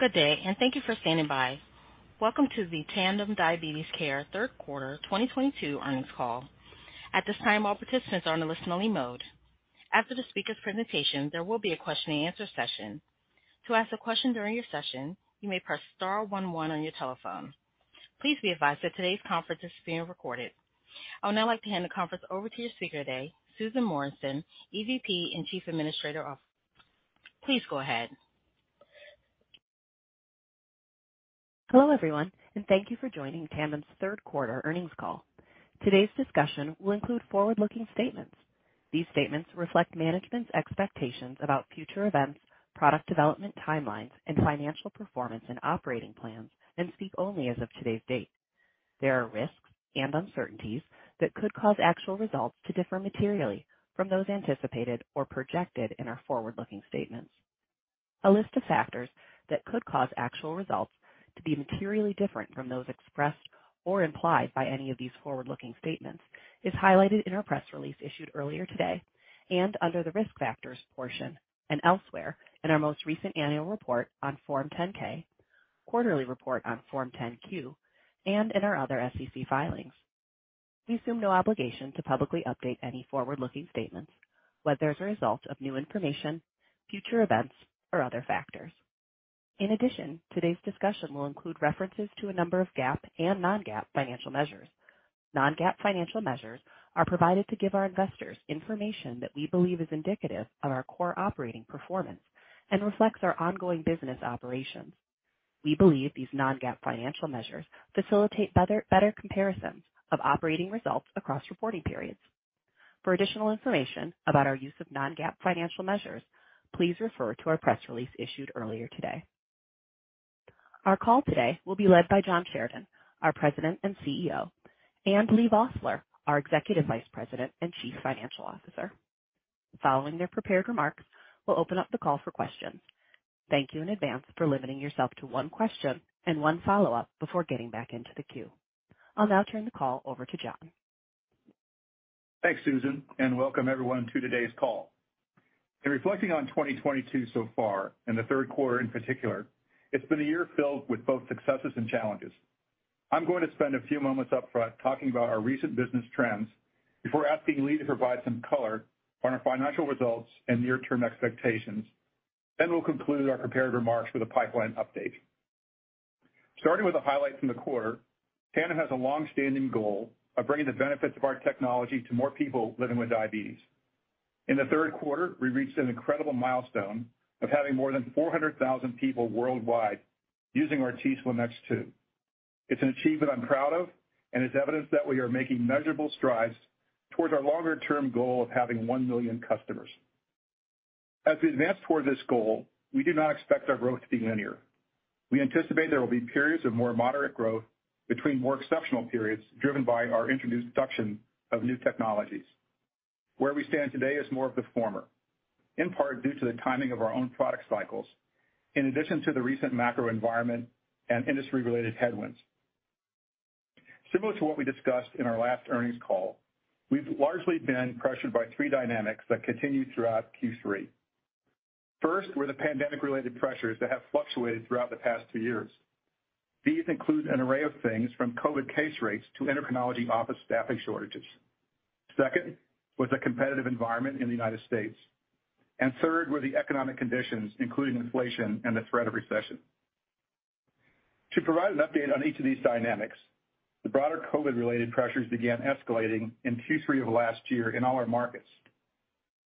Good day, and thank you for standing by. Welcome to the Tandem Diabetes Care third quarter 2022 earnings call. At this time, all participants are in a listen-only mode. After the speaker's presentation, there will be a question-and-answer session. To ask a question during your session, you may press star one one on your telephone. Please be advised that today's conference is being recorded. I would now like to hand the conference over to your speaker today, Susan Morrison, EVP and Chief Administrative Officer. Please go ahead. Hello, everyone, and thank you for joining Tandem's third quarter earnings call. Today's discussion will include forward-looking statements. These statements reflect management's expectations about future events, product development timelines, and financial performance and operating plans and speak only as of today's date. There are risks and uncertainties that could cause actual results to differ materially from those anticipated or projected in our forward-looking statements. A list of factors that could cause actual results to be materially different from those expressed or implied by any of these forward-looking statements is highlighted in our press release issued earlier today and under the Risk Factors portion and elsewhere in our most recent annual report on Form 10-K, quarterly report on Form 10-Q, and in our other SEC filings. We assume no obligation to publicly update any forward-looking statements, whether as a result of new information, future events, or other factors. In addition, today's discussion will include references to a number of GAAP and non-GAAP financial measures. Non-GAAP financial measures are provided to give our investors information that we believe is indicative of our core operating performance and reflects our ongoing business operations. We believe these non-GAAP financial measures facilitate better comparisons of operating results across reporting periods. For additional information about our use of non-GAAP financial measures, please refer to our press release issued earlier today. Our call today will be led by John Sheridan, our President and CEO, and Leigh Vosseller, our Executive Vice President and Chief Financial Officer. Following their prepared remarks, we'll open up the call for questions. Thank you in advance for limiting yourself to one question and one follow-up before getting back into the queue. I'll now turn the call over to John. Thanks, Susan, and welcome everyone to today's call. In reflecting on 2022 so far, and the third quarter in particular, it's been a year filled with both successes and challenges. I'm going to spend a few moments up front talking about our recent business trends before asking Leigh to provide some color on our financial results and near-term expectations. We'll conclude our prepared remarks with a pipeline update. Starting with a highlight from the quarter, Tandem has a long-standing goal of bringing the benefits of our technology to more people living with diabetes. In the third quarter, we reached an incredible milestone of having more than 400,000 people worldwide using our t:slim X2. It's an achievement I'm proud of and is evidence that we are making measurable strides towards our longer-term goal of having 1 million customers. As we advance toward this goal, we do not expect our growth to be linear. We anticipate there will be periods of more moderate growth between more exceptional periods driven by our introduction of new technologies. Where we stand today is more of the former, in part due to the timing of our own product cycles, in addition to the recent macro environment and industry-related headwinds. Similar to what we discussed in our last earnings call, we've largely been pressured by three dynamics that continued throughout Q3. First were the pandemic-related pressures that have fluctuated throughout the past two years. These include an array of things from COVID case rates to endocrinology office staffing shortages. Second was the competitive environment in the United States. Third were the economic conditions, including inflation and the threat of recession. To provide an update on each of these dynamics, the broader COVID-related pressures began escalating in Q3 of last year in all our markets.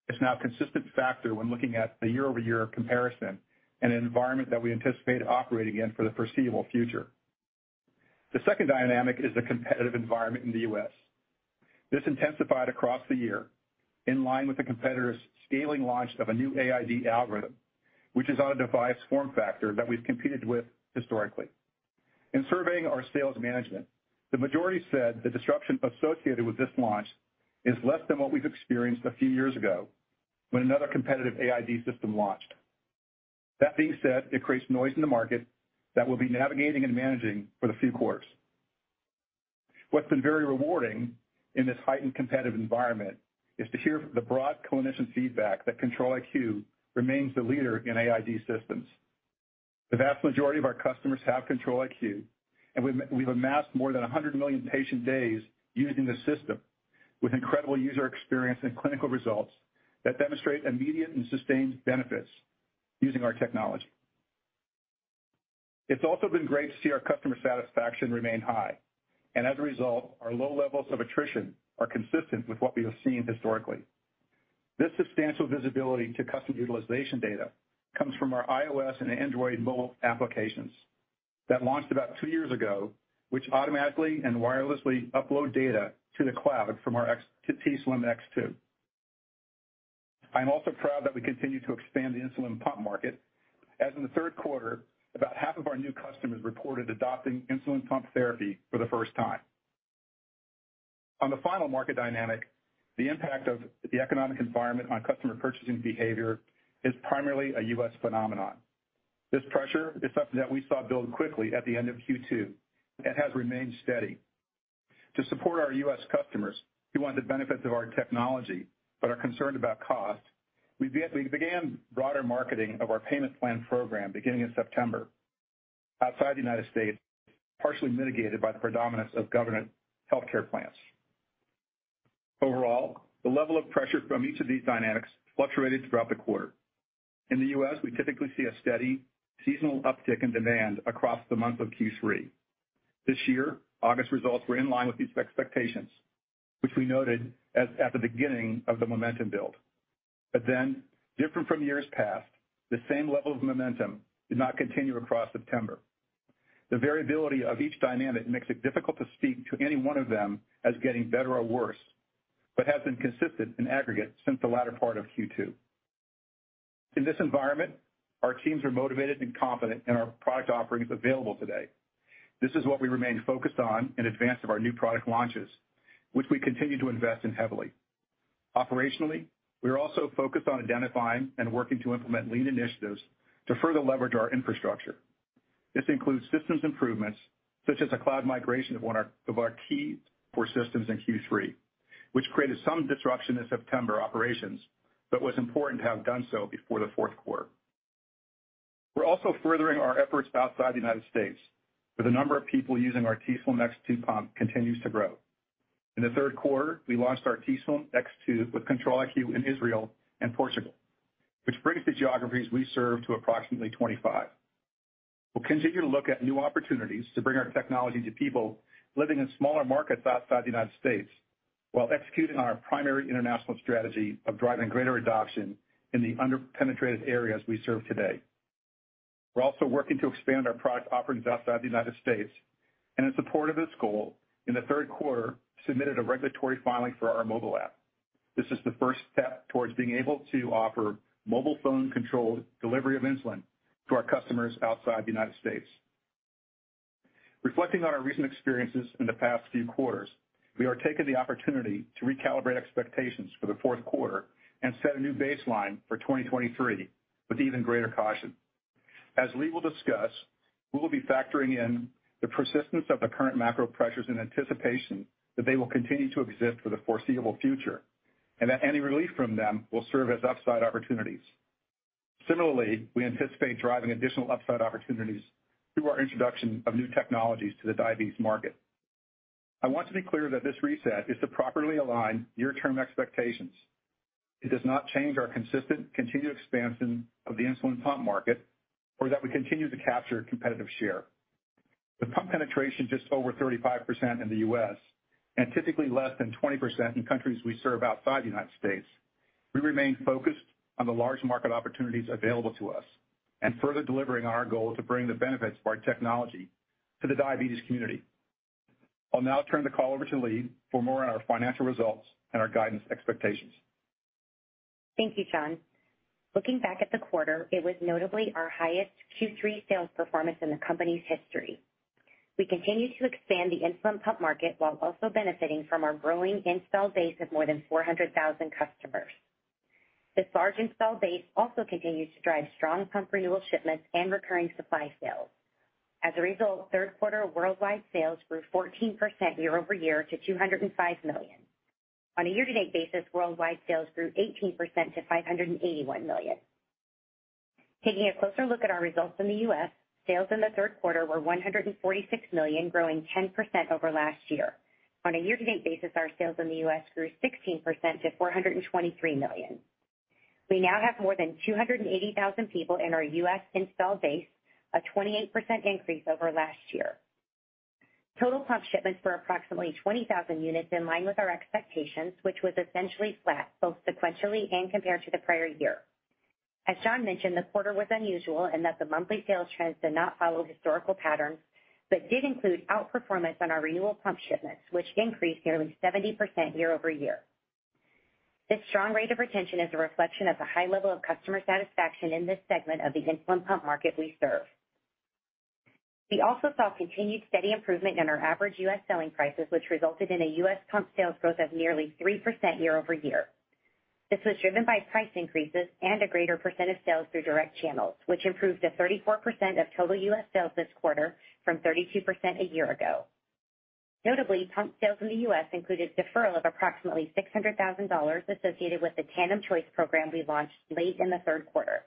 It's now a consistent factor when looking at the year-over-year comparison in an environment that we anticipate operating in for the foreseeable future. The second dynamic is the competitive environment in the U.S. This intensified across the year in line with the competitor's scaling launch of a new AID algorithm, which is on a device form factor that we've competed with historically. In surveying our sales management, the majority said the disruption associated with this launch is less than what we've experienced a few years ago when another competitive AID system launched. That being said, it creates noise in the market that we'll be navigating and managing for the few quarters. What's been very rewarding in this heightened competitive environment is to hear the broad clinician feedback that Control-IQ remains the leader in AID systems. The vast majority of our customers have Control-IQ, and we've amassed more than 100 million patient days using the system with incredible user experience and clinical results that demonstrate immediate and sustained benefits using our technology. It's also been great to see our customer satisfaction remain high. As a result, our low levels of attrition are consistent with what we have seen historically. This substantial visibility into customer utilization data comes from our iOS and Android mobile applications that launched about two years ago, which automatically and wirelessly upload data to the cloud from our t:slim X2. I'm also proud that we continue to expand the insulin pump market, as in the third quarter, about half of our new customers reported adopting insulin pump therapy for the first time. On the final market dynamic, the impact of the economic environment on customer purchasing behavior is primarily a U.S. phenomenon. This pressure is something that we saw build quickly at the end of Q2 and has remained steady. To support our U.S. customers who want the benefits of our technology but are concerned about cost, we began broader marketing of our payment plan program beginning in September. Outside the United States, partially mitigated by the predominance of government healthcare plans. Overall, the level of pressure from each of these dynamics fluctuated throughout the quarter. In the U.S., we typically see a steady seasonal uptick in demand across the month of Q3. This year, August results were in line with these expectations, which we noted as at the beginning of the momentum build. Different from years past, the same level of momentum did not continue across September. The variability of each dynamic makes it difficult to speak to any one of them as getting better or worse, but has been consistent in aggregate since the latter part of Q2. In this environment, our teams are motivated and confident in our product offerings available today. This is what we remain focused on in advance of our new product launches, which we continue to invest in heavily. Operationally, we are also focused on identifying and working to implement lean initiatives to further leverage our infrastructure. This includes systems improvements such as a cloud migration of one of our key core systems in Q3, which created some disruption in September operations but was important to have done so before the fourth quarter. We're also furthering our efforts outside the United States, where the number of people using our t:slim X2 pump continues to grow. In the third quarter, we launched our t:slim X2 with Control-IQ in Israel and Portugal, which brings the geographies we serve to approximately 25. We'll continue to look at new opportunities to bring our technology to people living in smaller markets outside the United States while executing our primary international strategy of driving greater adoption in the under-penetrated areas we serve today. We're also working to expand our product offerings outside the United States, and in support of this goal, in the third quarter, submitted a regulatory filing for our mobile app. This is the first step towards being able to offer mobile phone-controlled delivery of insulin to our customers outside the United States. Reflecting on our recent experiences in the past few quarters, we are taking the opportunity to recalibrate expectations for the fourth quarter and set a new baseline for 2023 with even greater caution. As Leigh will discuss, we will be factoring in the persistence of the current macro pressures in anticipation that they will continue to exist for the foreseeable future and that any relief from them will serve as upside opportunities. Similarly, we anticipate driving additional upside opportunities through our introduction of new technologies to the diabetes market. I want to be clear that this reset is to properly align near-term expectations. It does not change our consistent continued expansion of the insulin pump market or that we continue to capture competitive share. The pump penetration just over 35% in the U.S., and typically less than 20% in countries we serve outside the United States. We remain focused on the large market opportunities available to us and further delivering on our goal to bring the benefits of our technology to the diabetes community. I'll now turn the call over to Leigh for more on our financial results and our guidance expectations. Thank you, John. Looking back at the quarter, it was notably our highest Q3 sales performance in the company's history. We continue to expand the insulin pump market while also benefiting from our growing installed base of more than 400,000 customers. This large installed base also continues to drive strong pump renewal shipments and recurring supply sales. As a result, third quarter worldwide sales grew 14% year-over-year to $205 million. On a year-to-date basis, worldwide sales grew 18% to $581 million. Taking a closer look at our results in the U.S., sales in the third quarter were $146 million, growing 10% over last year. On a year-to-date basis, our sales in the U.S. grew 16% to $423 million. We now have more than 280,000 people in our U.S. installed base, a 28% increase over last year. Total pump shipments were approximately 20,000 units in line with our expectations, which was essentially flat, both sequentially and compared to the prior year. As John mentioned, the quarter was unusual in that the monthly sales trends did not follow historical patterns, but did include outperformance on our renewal pump shipments, which increased nearly 70% year-over-year. This strong rate of retention is a reflection of the high level of customer satisfaction in this segment of the insulin pump market we serve. We also saw continued steady improvement in our average U.S. selling prices, which resulted in a U.S. pump sales growth of nearly 3% year-over-year. This was driven by price increases and a greater percent of sales through direct channels, which improved to 34% of total U.S. sales this quarter from 32% a year ago. Notably, pump sales in the U.S. included deferral of approximately $600,000 associated with the Tandem Choice program we launched late in the third quarter.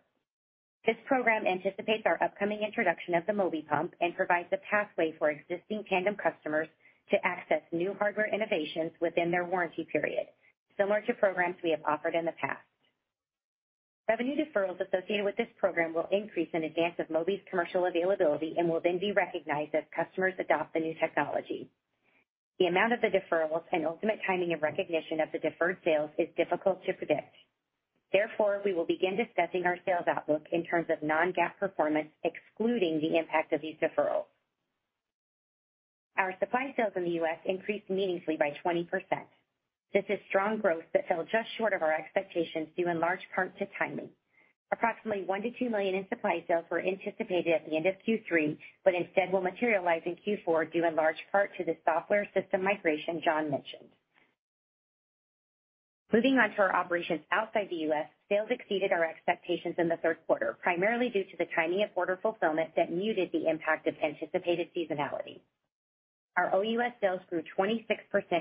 This program anticipates our upcoming introduction of the Mobi and provides a pathway for existing Tandem customers to access new hardware innovations within their warranty period, similar to programs we have offered in the past. Revenue deferrals associated with this program will increase in advance of Mobi's commercial availability and will then be recognized as customers adopt the new technology. The amount of the deferrals and ultimate timing and recognition of the deferred sales is difficult to predict. Therefore, we will begin discussing our sales outlook in terms of non-GAAP performance, excluding the impact of these deferrals. Our supply sales in the U.S. increased meaningfully by 20%. This is strong growth that fell just short of our expectations due in large part to timing. Approximately $1 million-$2 million in supply sales were anticipated at the end of Q3, but instead will materialize in Q4 due in large part to the software system migration John mentioned. Moving on to our operations outside the U.S. Sales exceeded our expectations in the third quarter. Primarily due to the timing of order fulfillment that muted the impact of anticipated seasonality. Our OUS sales grew 26%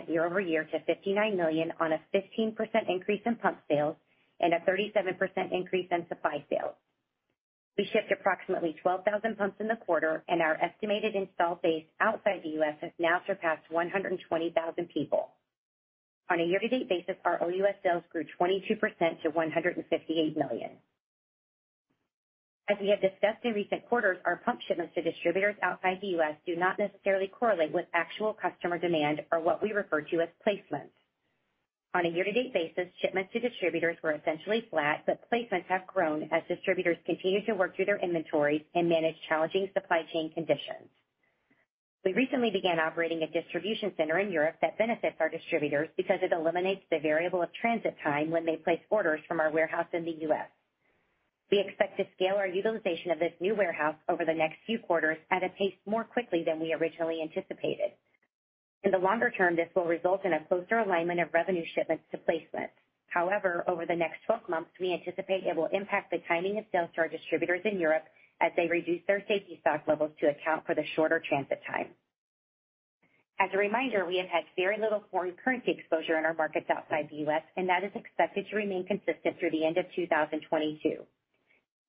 year-over-year to $59 million on a 15% increase in pump sales and a 37% increase in supply sales. We shipped approximately 12,000 pumps in the quarter, and our estimated install base outside the U.S. has now surpassed 120,000 people. On a year-to-date basis, our OUS sales grew 22% to $158 million. As we have discussed in recent quarters, our pump shipments to distributors outside the U.S. do not necessarily correlate with actual customer demand or what we refer to as placements. On a year-to-date basis, shipments to distributors were essentially flat, but placements have grown as distributors continue to work through their inventories and manage challenging supply chain conditions. We recently began operating a distribution center in Europe that benefits our distributors because it eliminates the variable of transit time when they place orders from our warehouse in the U.S. We expect to scale our utilization of this new warehouse over the next few quarters at a pace more quickly than we originally anticipated. In the longer term, this will result in a closer alignment of revenue shipments to placements. However, over the next 12 months, we anticipate it will impact the timing of sales to our distributors in Europe as they reduce their safety stock levels to account for the shorter transit time. As a reminder, we have had very little foreign currency exposure in our markets outside the U.S., and that is expected to remain consistent through the end of 2022.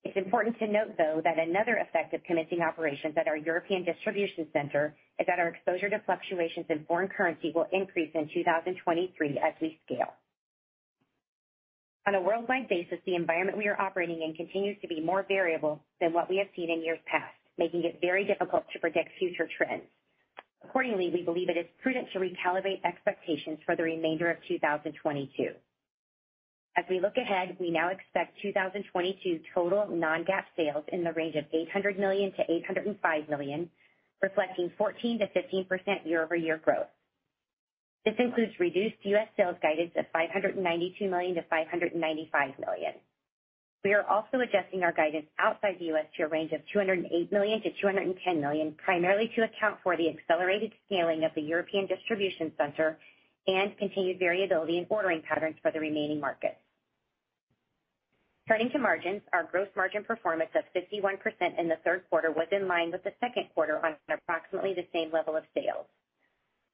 It's important to note, though, that another effect of commencing operations at our European Distribution Center is that our exposure to fluctuations in foreign currency will increase in 2023 as we scale. On a worldwide basis, the environment we are operating in continues to be more variable than what we have seen in years past, making it very difficult to predict future trends. We believe it is prudent to recalibrate expectations for the remainder of 2022. As we look ahead, we now expect 2022 total non-GAAP sales in the range of $800 million-$805 million, reflecting 14%-15% year-over-year growth. This includes reduced U.S. sales guidance of $592 million-$595 million. We are also adjusting our guidance outside the U.S. to a range of $208 million-$210 million, primarily to account for the accelerated scaling of the European distribution center and continued variability in ordering patterns for the remaining markets. Turning to margins. Our gross margin performance of 51% in the third quarter was in line with the second quarter on approximately the same level of sales.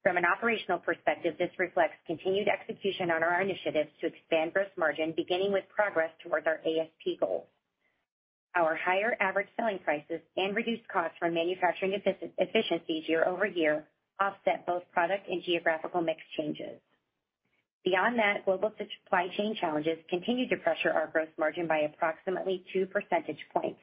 From an operational perspective, this reflects continued execution on our initiatives to expand gross margin, beginning with progress towards our ASP goals. Our higher average selling prices and reduced costs from manufacturing efficiency year-over-year offset both product and geographical mix changes. Beyond that, global supply chain challenges continued to pressure our gross margin by approximately two percentage points.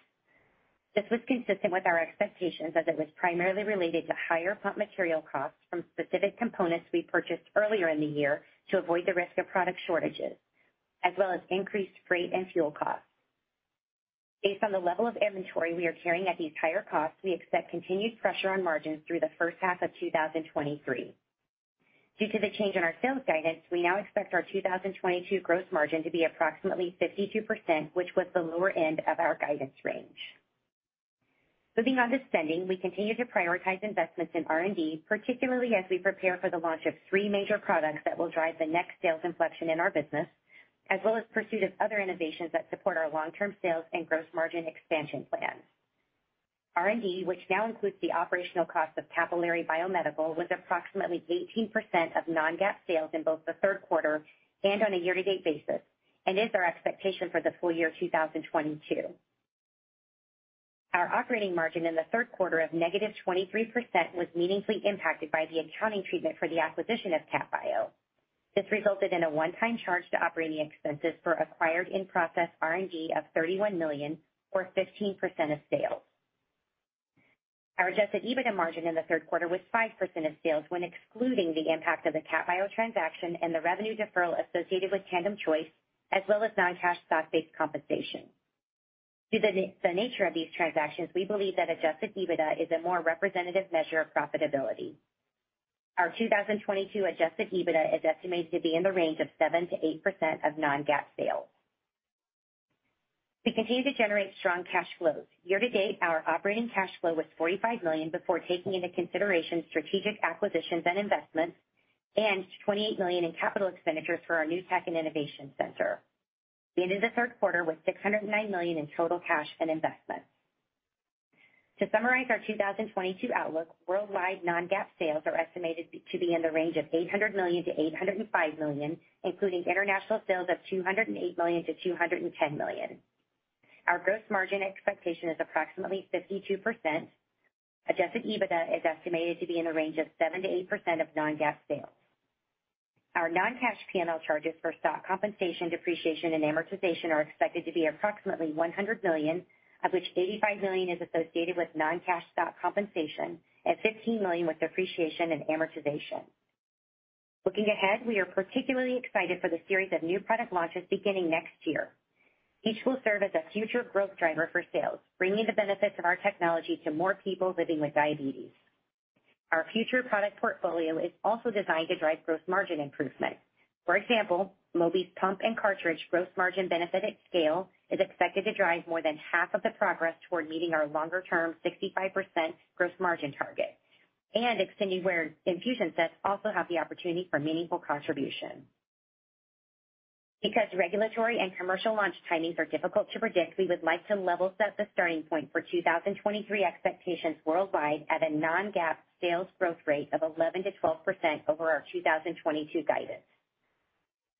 This was consistent with our expectations, as it was primarily related to higher pump material costs from specific components we purchased earlier in the year to avoid the risk of product shortages, as well as increased freight and fuel costs. Based on the level of inventory we are carrying at these higher costs, we expect continued pressure on margins through the first half of 2023. Due to the change in our sales guidance, we now expect our 2022 gross margin to be approximately 52%, which was the lower end of our guidance range. Moving on to spending. We continue to prioritize investments in R&D, particularly as we prepare for the launch of three major products that will drive the next sales inflection in our business, as well as pursuit of other innovations that support our long-term sales and gross margin expansion plans. R&D, which now includes the operational cost of Capillary Biomedical, was approximately 18% of non-GAAP sales in both the third quarter and on a year-to-date basis, and is our expectation for the full year 2022. Our operating margin in the third quarter of -23% was meaningfully impacted by the accounting treatment for the acquisition of CapBio. This resulted in a one-time charge to operating expenses for acquired in-process R&D of $31 million or 15% of sales. Our adjusted EBITDA margin in the third quarter was 5% of sales when excluding the impact of the CapBio transaction and the revenue deferral associated with Tandem Choice, as well as non-cash stock-based compensation. Due to the nature of these transactions, we believe that adjusted EBITDA is a more representative measure of profitability. Our 2022 adjusted EBITDA is estimated to be in the range of 7%-8% of non-GAAP sales. We continue to generate strong cash flows. Year to date, our operating cash flow was $45 million before taking into consideration strategic acquisitions and investments, and $28 million in capital expenditures for our new tech and innovation center. We ended the third quarter with $609 million in total cash and investments. To summarize, our 2022 outlook worldwide non-GAAP sales are estimated to be in the range of $800 million-$805 million, including international sales of $208 million-$210 million. Our gross margin expectation is approximately 52%. Adjusted EBITDA is estimated to be in the range of 7%-8% of non-GAAP sales. Our non-cash P&L charges for stock compensation, depreciation, and amortization are expected to be approximately $100 million, of which $85 million is associated with non-cash stock compensation and $15 million with depreciation and amortization. Looking ahead, we are particularly excited for the series of new product launches beginning next year. Each will serve as a future growth driver for sales, bringing the benefits of our technology to more people living with diabetes. Our future product portfolio is also designed to drive gross margin improvement. For example, Mobi's pump and cartridge gross margin benefit at scale is expected to drive more than half of the progress toward meeting our longer-term 65% gross margin target. Extended wear infusion sets also have the opportunity for meaningful contribution. Because regulatory and commercial launch timings are difficult to predict, we would like to level set the starting point for 2023 expectations worldwide at a non-GAAP sales growth rate of 11%-12% over our 2022 guidance.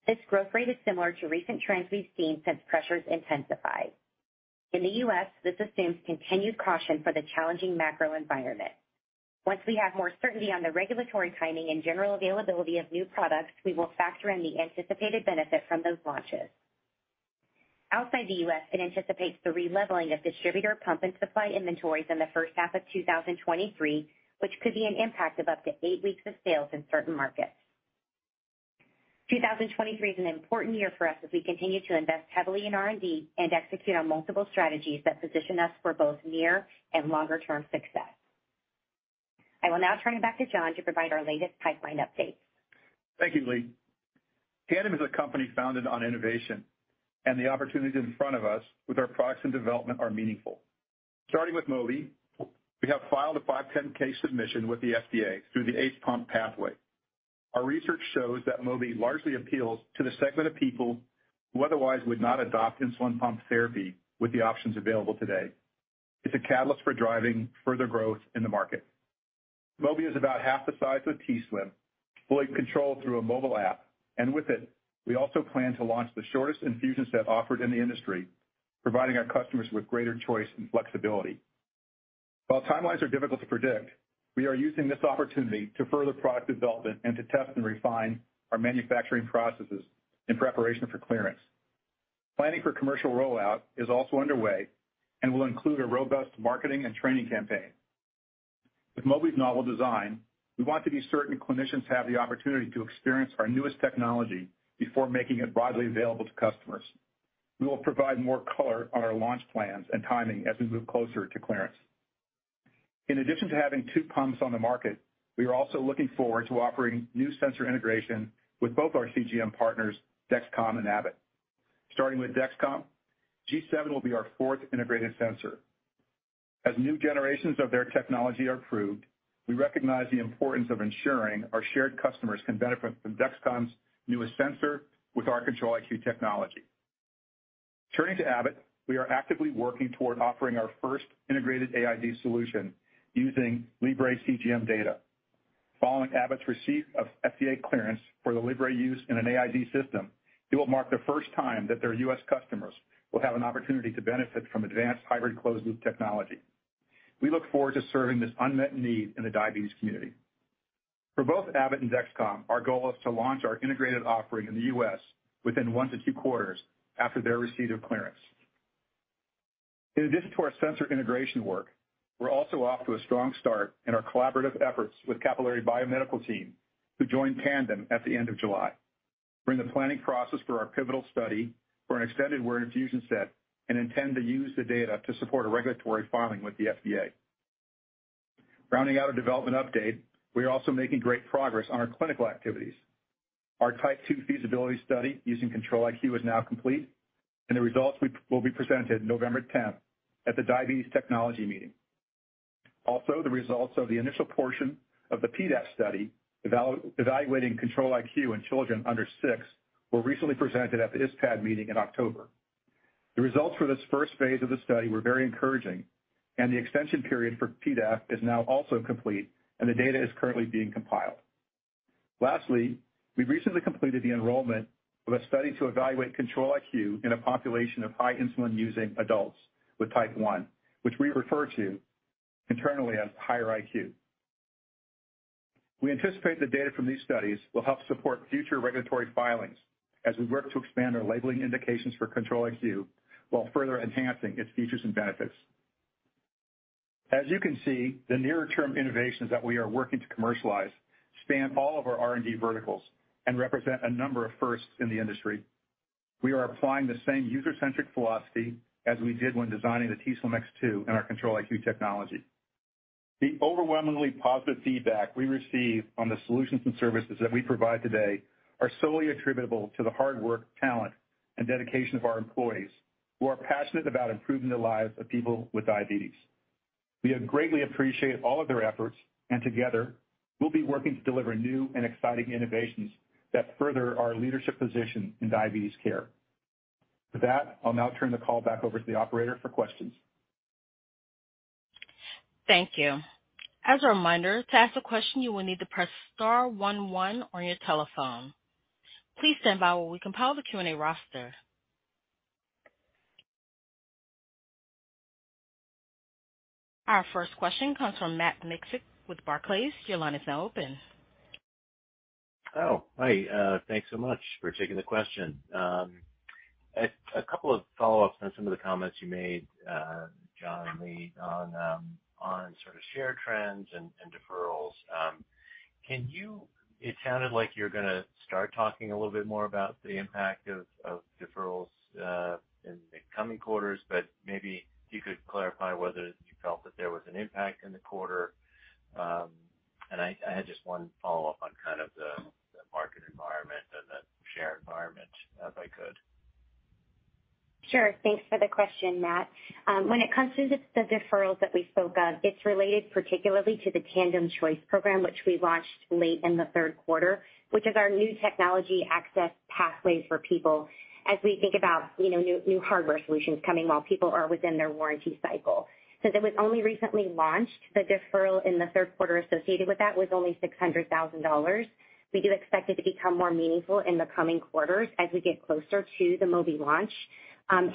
This growth rate is similar to recent trends we've seen since pressures intensified. In the US, this assumes continued caution for the challenging macro environment. Once we have more certainty on the regulatory timing and general availability of new products, we will factor in the anticipated benefit from those launches. Outside the US, it anticipates the releveling of distributor pump and supply inventories in the first half of 2023, which could be an impact of up to eight weeks of sales in certain markets. 2023 is an important year for us as we continue to invest heavily in R&D and execute on multiple strategies that position us for both near and longer-term success. I will now turn it back to John to provide our latest pipeline update. Thank you, Leigh. Tandem is a company founded on innovation, and the opportunities in front of us with our products and development are meaningful. Starting with Mobi, we have filed a 510(k) submission with the FDA through the ACE pump pathway. Our research shows that Mobi largely appeals to the segment of people who otherwise would not adopt insulin pump therapy with the options available today. It's a catalyst for driving further growth in the market. Mobi is about half the size of t:slim, fully controlled through a mobile app, and with it, we also plan to launch the shortest infusion set offered in the industry, providing our customers with greater choice and flexibility. While timelines are difficult to predict, we are using this opportunity to further product development and to test and refine our manufacturing processes in preparation for clearance. Planning for commercial rollout is also underway and will include a robust marketing and training campaign. With Mobi's novel design, we want to be certain clinicians have the opportunity to experience our newest technology before making it broadly available to customers. We will provide more color on our launch plans and timing as we move closer to clearance. In addition to having two pumps on the market, we are also looking forward to offering new sensor integration with both our CGM partners, Dexcom and Abbott. Starting with Dexcom, G7 will be our fourth integrated sensor. As new generations of their technology are approved, we recognize the importance of ensuring our shared customers can benefit from Dexcom's newest sensor with our Control-IQ technology. Turning to Abbott, we are actively working toward offering our first integrated AID solution using Libre CGM data. Following Abbott's receipt of FDA clearance for the Libre use in an AID system, it will mark the first time that their U.S. customers will have an opportunity to benefit from advanced hybrid closed loop technology. We look forward to serving this unmet need in the diabetes community. For both Abbott and Dexcom, our goal is to launch our integrated offering in the U.S. within one to two quarters after their receipt of clearance. In addition to our sensor integration work, we're also off to a strong start in our collaborative efforts with Capillary Biomedical team, who joined Tandem at the end of July. We're in the planning process for our pivotal study for an extended wear infusion set and intend to use the data to support a regulatory filing with the FDA. Rounding out our development update, we are also making great progress on our clinical activities. Our type two feasibility study using Control-IQ is now complete, and the results will be presented November 10th at the Diabetes Technology Meeting. Also, the results of the initial portion of the PEDAP study evaluating Control-IQ in children under six were recently presented at the ISPAD meeting in October. The results for this first phase of the study were very encouraging, and the extension period for PEDAP is now also complete, and the data is currently being compiled. Lastly, we recently completed the enrollment of a study to evaluate Control-IQ in a population of high insulin-using adults with type one, which we refer to internally as high-IQ. We anticipate the data from these studies will help support future regulatory filings as we work to expand our labeling indications for Control-IQ while further enhancing its features and benefits. As you can see, the nearer-term innovations that we are working to commercialize span all of our R&D verticals and represent a number of firsts in the industry. We are applying the same user-centric philosophy as we did when designing the t:slim X2 and our Control-IQ technology. The overwhelmingly positive feedback we receive on the solutions and services that we provide today are solely attributable to the hard work, talent, and dedication of our employees, who are passionate about improving the lives of people with diabetes. We greatly appreciate all of their efforts, and together, we'll be working to deliver new and exciting innovations that further our leadership position in diabetes care. With that, I'll now turn the call back over to the operator for questions. Thank you. As a reminder, to ask a question, you will need to press star one one on your telephone. Please stand by while we compile the Q&A roster. Our first question comes from Matt Miksic with Barclays. Your line is now open. Oh, hi. Thanks so much for taking the question. A couple of follow-ups on some of the comments you made, John and Leigh, on sort of share trends and deferrals. It sounded like you're going to start talking a little bit more about the impact of deferrals in the coming quarters, but maybe you could clarify whether you felt that there was an impact in the quarter. I had just one follow-up on kind of the market environment and the share environment, if I could. Sure. Thanks for the question, Matt. When it comes to the deferrals that we spoke of, it's related particularly to the Tandem Choice program, which we launched late in the third quarter, which is our new technology access pathway for people as we think about, you know, new hardware solutions coming while people are within their warranty cycle. Since it was only recently launched, the deferral in the third quarter associated with that was only $600,000. We do expect it to become more meaningful in the coming quarters as we get closer to the Mobi launch. And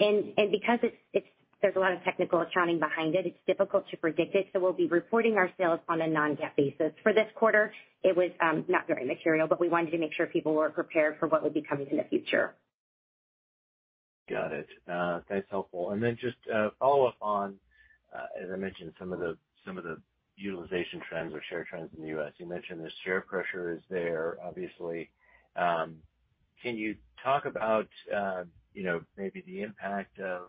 because it's, there's a lot of technical accounting behind it's difficult to predict it, so we'll be reporting our sales on a non-GAAP basis. For this quarter, it was not very material, but we wanted to make sure people were prepared for what would be coming in the future. Got it. That's helpful. Then just a follow-up on, as I mentioned, some of the utilization trends or share trends in the U.S. You mentioned the share pressure is there obviously. Can you talk about, you know, maybe the impact of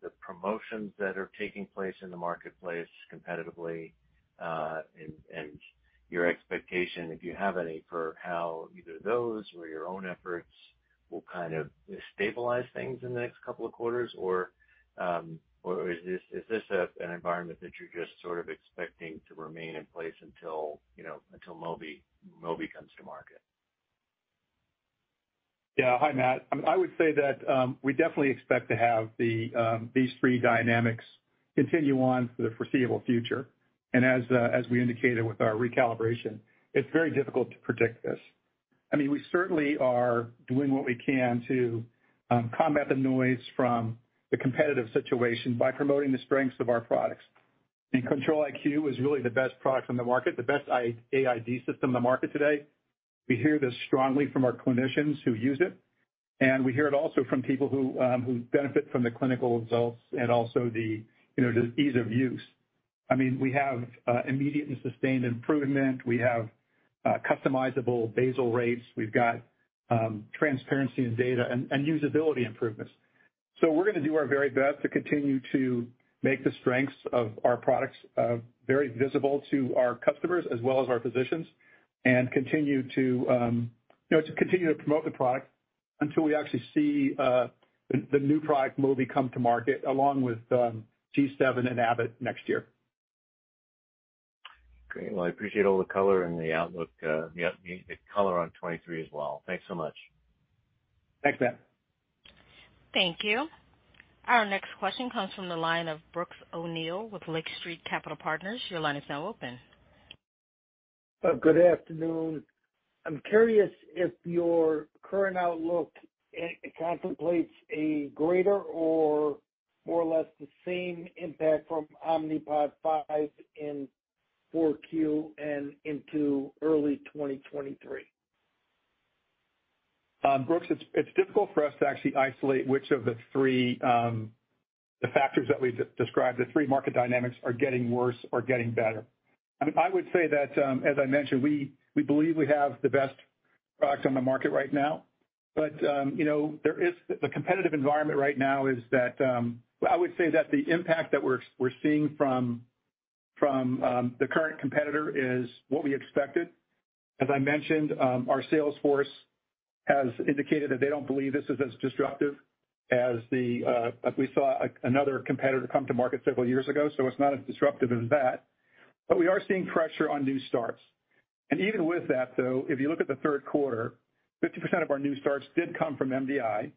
the promotions that are taking place in the marketplace competitively, and your expectation, if you have any, for how either those or your own efforts will kind of stabilize things in the next couple of quarters. Or, or is this an environment that you're just sort of expecting to remain in place until, you know, until Mobi comes to market? Yeah. Hi, Matt. I would say that we definitely expect to have these three dynamics continue on for the foreseeable future. As we indicated with our recalibration, it's very difficult to predict this. I mean, we certainly are doing what we can to combat the noise from the competitive situation by promoting the strengths of our products. Control-IQ is really the best product on the market, the best AID system in the market today. We hear this strongly from our clinicians who use it, and we hear it also from people who benefit from the clinical results and also the, you know, the ease of use. I mean, we have immediate and sustained improvement. We have customizable basal rates. We've got transparency in data and usability improvements. We're going to do our very best to continue to make the strengths of our products very visible to our customers as well as our physicians, and continue to promote the product until we actually see the new product Mobi come to market along with G7 and Abbott next year. Great. Well, I appreciate all the color and the outlook, the color on 2023 as well. Thanks so much. Thanks, Matt. Thank you. Our next question comes from the line of Brooks O'Neil with Lake Street Capital Markets. Your line is now open. Good afternoon. I'm curious if your current outlook contemplates a greater or more or less the same impact from Omnipod 5 in 4Q and into early 2023. Brooks, it's difficult for us to actually isolate which of the three, the factors that we described, the three market dynamics are getting worse or getting better. I mean, I would say that, as I mentioned, we believe we have the best products on the market right now. You know, there is the competitive environment right now is that, I would say that the impact that we're seeing from the current competitor is what we expected. As I mentioned, our sales force has indicated that they don't believe this is as disruptive as we saw another competitor come to market several years ago, so it's not as disruptive as that. We are seeing pressure on new starts. Even with that though, if you look at the third quarter, 50% of our new starts did come from MDI.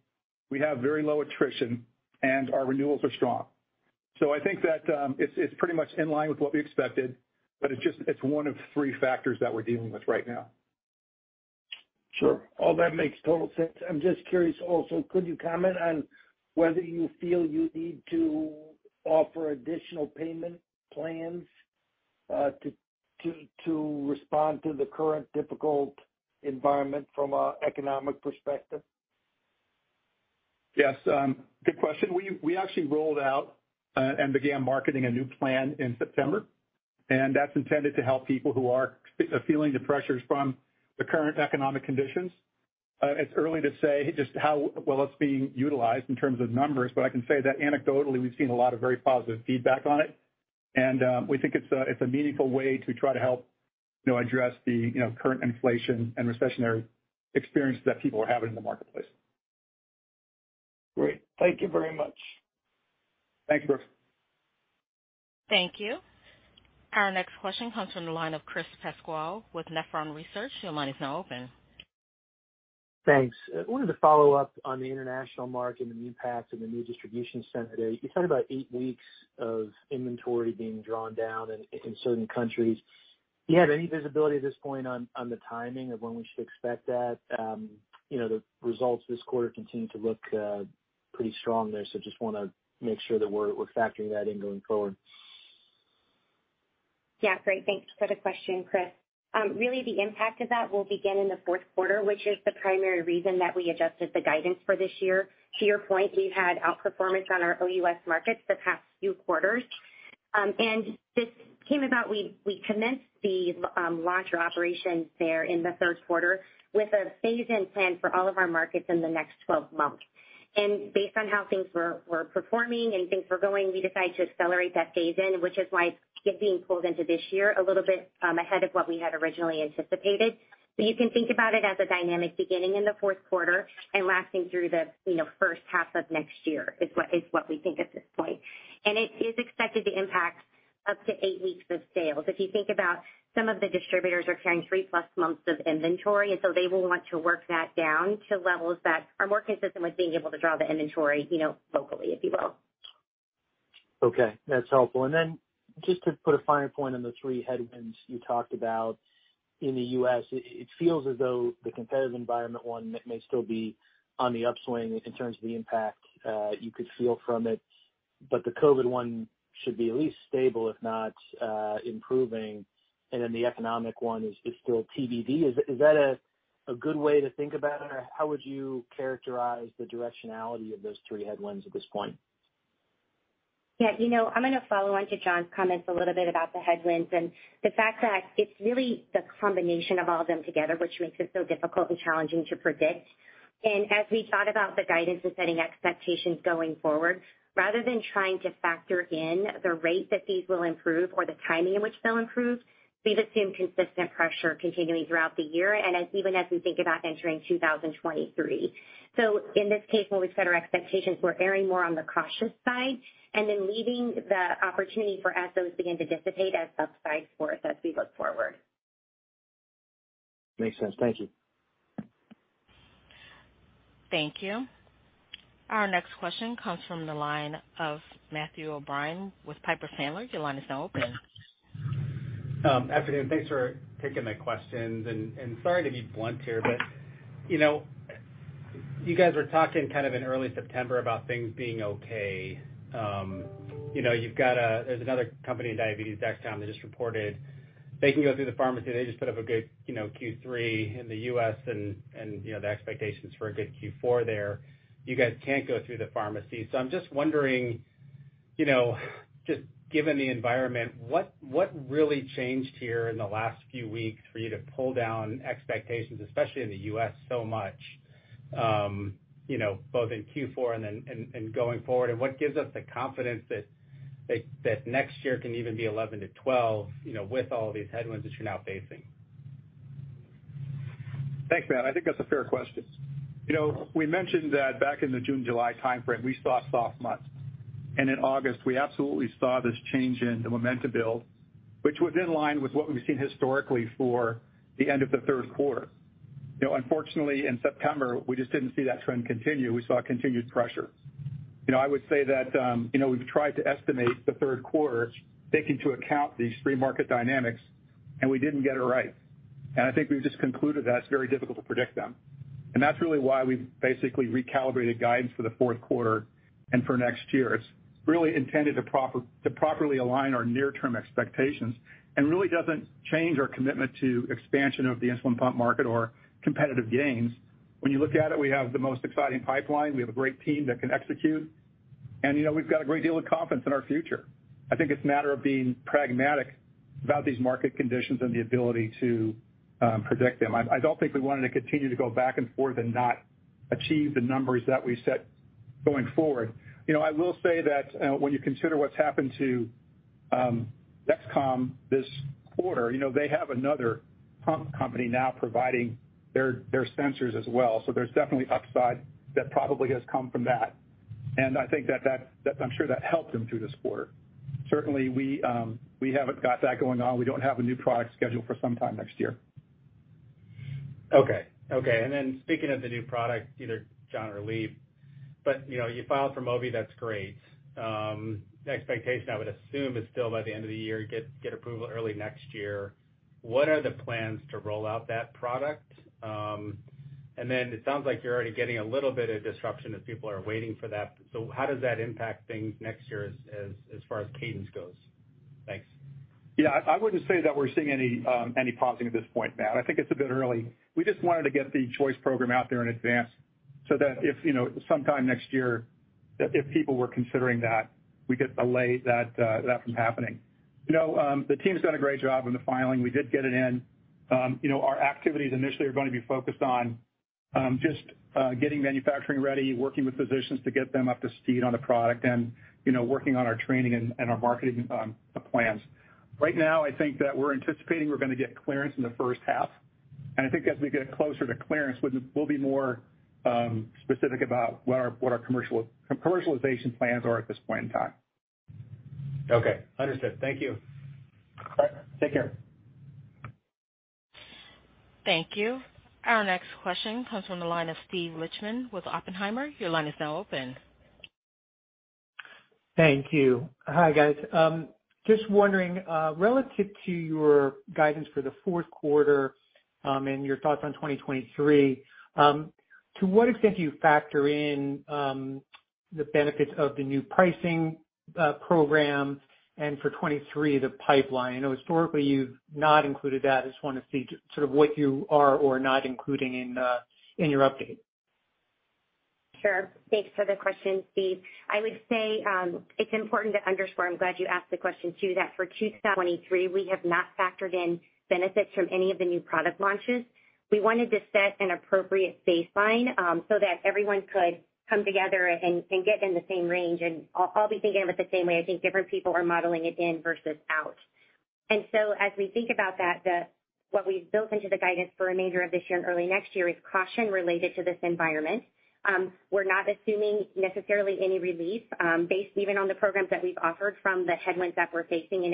We have very low attrition, and our renewals are strong. I think that it's pretty much in line with what we expected, but it's just one of three factors that we're dealing with right now. Sure. All that makes total sense. I'm just curious also, could you comment on whether you feel you need to offer additional payment plans to respond to the current difficult environment from an economic perspective? Yes. Good question. We actually rolled out and began marketing a new plan in September, and that's intended to help people who are feeling the pressures from the current economic conditions. It's early to say just how well it's being utilized in terms of numbers, but I can say that anecdotally, we've seen a lot of very positive feedback on it. We think it's a meaningful way to try to help, you know, address the, you know, current inflation and recessionary experience that people are having in the marketplace. Great. Thank you very much. Thank you, Brooks. Thank you. Our next question comes from the line of Chris Pasquale with Nephron Research. Your line is now open. Thanks. I wanted to follow up on the international market and the impact of the new distribution center today. You said about eight weeks of inventory being drawn down in certain countries. Do you have any visibility at this point on the timing of when we should expect that? You know, the results this quarter continue to look pretty strong there, so just want to make sure that we're factoring that in going forward. Yeah. Great. Thanks for the question, Chris. Really the impact of that will begin in the fourth quarter, which is the primary reason that we adjusted the guidance for this year. To your point, we've had outperformance on our OUS markets the past few quarters. This came about we commenced the launch or operations there in the third quarter with a phase-in plan for all of our markets in the next 12 months. Based on how things were performing and things were going, we decided to accelerate that phase in, which is why it's being pulled into this year a little bit ahead of what we had originally anticipated. You can think about it as a dynamic beginning in the fourth quarter and lasting through the, you know, first half of next year, is what we think at this point. It is expected to impact up to eight weeks of sales. If you think about some of the distributors are carrying three-plus months of inventory, and so they will want to work that down to levels that are more consistent with being able to draw the inventory, you know, locally, if you will. Okay, that's helpful. Just to put a fine point on the three headwinds you talked about in the U.S., it feels as though the competitive environment one may still be on the upswing in terms of the impact you could feel from it. The COVID one should be at least stable, if not improving, and then the economic one is still TBD. Is that a good way to think about it? Or how would you characterize the directionality of those three headwinds at this point? Yeah. You know, I'm going to follow on to John's comments a little bit about the headwinds and the fact that it's really the combination of all of them together, which makes it so difficult and challenging to predict. As we thought about the guidance and setting expectations going forward, rather than trying to factor in the rate that these will improve or the timing in which they'll improve, we've assumed consistent pressure continuing throughout the year and even as we think about entering 2023. In this case, when we set our expectations, we're erring more on the cautious side and then leaving the opportunity for as those begin to dissipate as upside for us as we look forward. Makes sense. Thank you. Thank you. Our next question comes from the line of Matthew O'Brien with Piper Sandler. Your line is now open. Afternoon. Thanks for taking my questions. Sorry to be blunt here, but you know, you guys were talking kind of in early September about things being okay. You know, you've got, there's another company in diabetes, Dexcom, that just reported they can go through the pharmacy. They just put up a good, you know, Q3 in the U.S. and you know, the expectations for a good Q4 there. You guys can't go through the pharmacy. I'm just wondering, you know, just given the environment, what really changed here in the last few weeks for you to pull down expectations, especially in the U.S., so much, you know, both in Q4 and then going forward? What gives us the confidence that next year can even be 11-12, you know, with all these headwinds that you're now facing? Thanks, Matt. I think that's a fair question. You know, we mentioned that back in the June-July timeframe, we saw soft months. In August, we absolutely saw this change in the momentum build, which was in line with what we've seen historically for the end of the third quarter. You know, unfortunately, in September, we just didn't see that trend continue. We saw continued pressure. You know, I would say that, you know, we've tried to estimate the third quarter, take into account these three market dynamics, and we didn't get it right. I think we've just concluded that it's very difficult to predict them. That's really why we've basically recalibrated guidance for the fourth quarter and for next year. It's really intended to properly align our near-term expectations and really doesn't change our commitment to expansion of the Insulin Pump Market or competitive gains. When you look at it, we have the most exciting pipeline. We have a great team that can execute. You know, we've got a great deal of confidence in our future. I think it's a matter of being pragmatic about these market conditions and the ability to predict them. I don't think we wanted to continue to go back and forth and not achieve the numbers that we set going forward. You know, I will say that when you consider what's happened to Dexcom this quarter, you know, they have another pump company now providing their sensors as well. So there's definitely upside that probably has come from that. I'm sure that helped them through this quarter. Certainly, we haven't got that going on. We don't have a new product scheduled for some time next year. Speaking of the new product, either John or Leigh, but, you know, you filed for Mobi, that's great. The expectation I would assume is still by the end of the year, get approval early next year. What are the plans to roll out that product? It sounds like you're already getting a little bit of disruption as people are waiting for that. How does that impact things next year as far as cadence goes? Thanks. Yeah. I wouldn't say that we're seeing any pausing at this point, Matt. I think it's a bit early. We just wanted to get the Choice program out there in advance so that if, you know, sometime next year if people were considering that, we could delay that from happening. You know, the team has done a great job in the filing. We did get it in. You know, our activities initially are going to be focused on just getting manufacturing ready, working with physicians to get them up to speed on the product and, you know, working on our training and our marketing plans. Right now, I think that we're anticipating we're going to get clearance in the first half. I think as we get closer to clearance, we'll be more specific about what our commercialization plans are at this point in time. Okay. Understood. Thank you. All right. Take care. Thank you. Our next question comes from the line of Steven Lichtman with Oppenheimer. Your line is now open. Thank you. Hi, guys. Just wondering, relative to your guidance for the fourth quarter, and your thoughts on 2023, to what extent do you factor in the benefits of the new pricing program and for 2023, the pipeline? I know historically you've not included that. I just want to see sort of what you are or not including in your update. Sure. Thanks for the question, Steve. I would say it's important to underscore, I'm glad you asked the question too, that for 2023, we have not factored in benefits from any of the new product launches. We wanted to set an appropriate baseline, so that everyone could come together and get in the same range. I'll be thinking of it the same way. I think different people are modeling it in versus out. As we think about that, what we've built into the guidance for the remainder of this year and early next year is caution related to this environment. We're not assuming necessarily any relief, based even on the programs that we've offered from the headwinds that we're facing.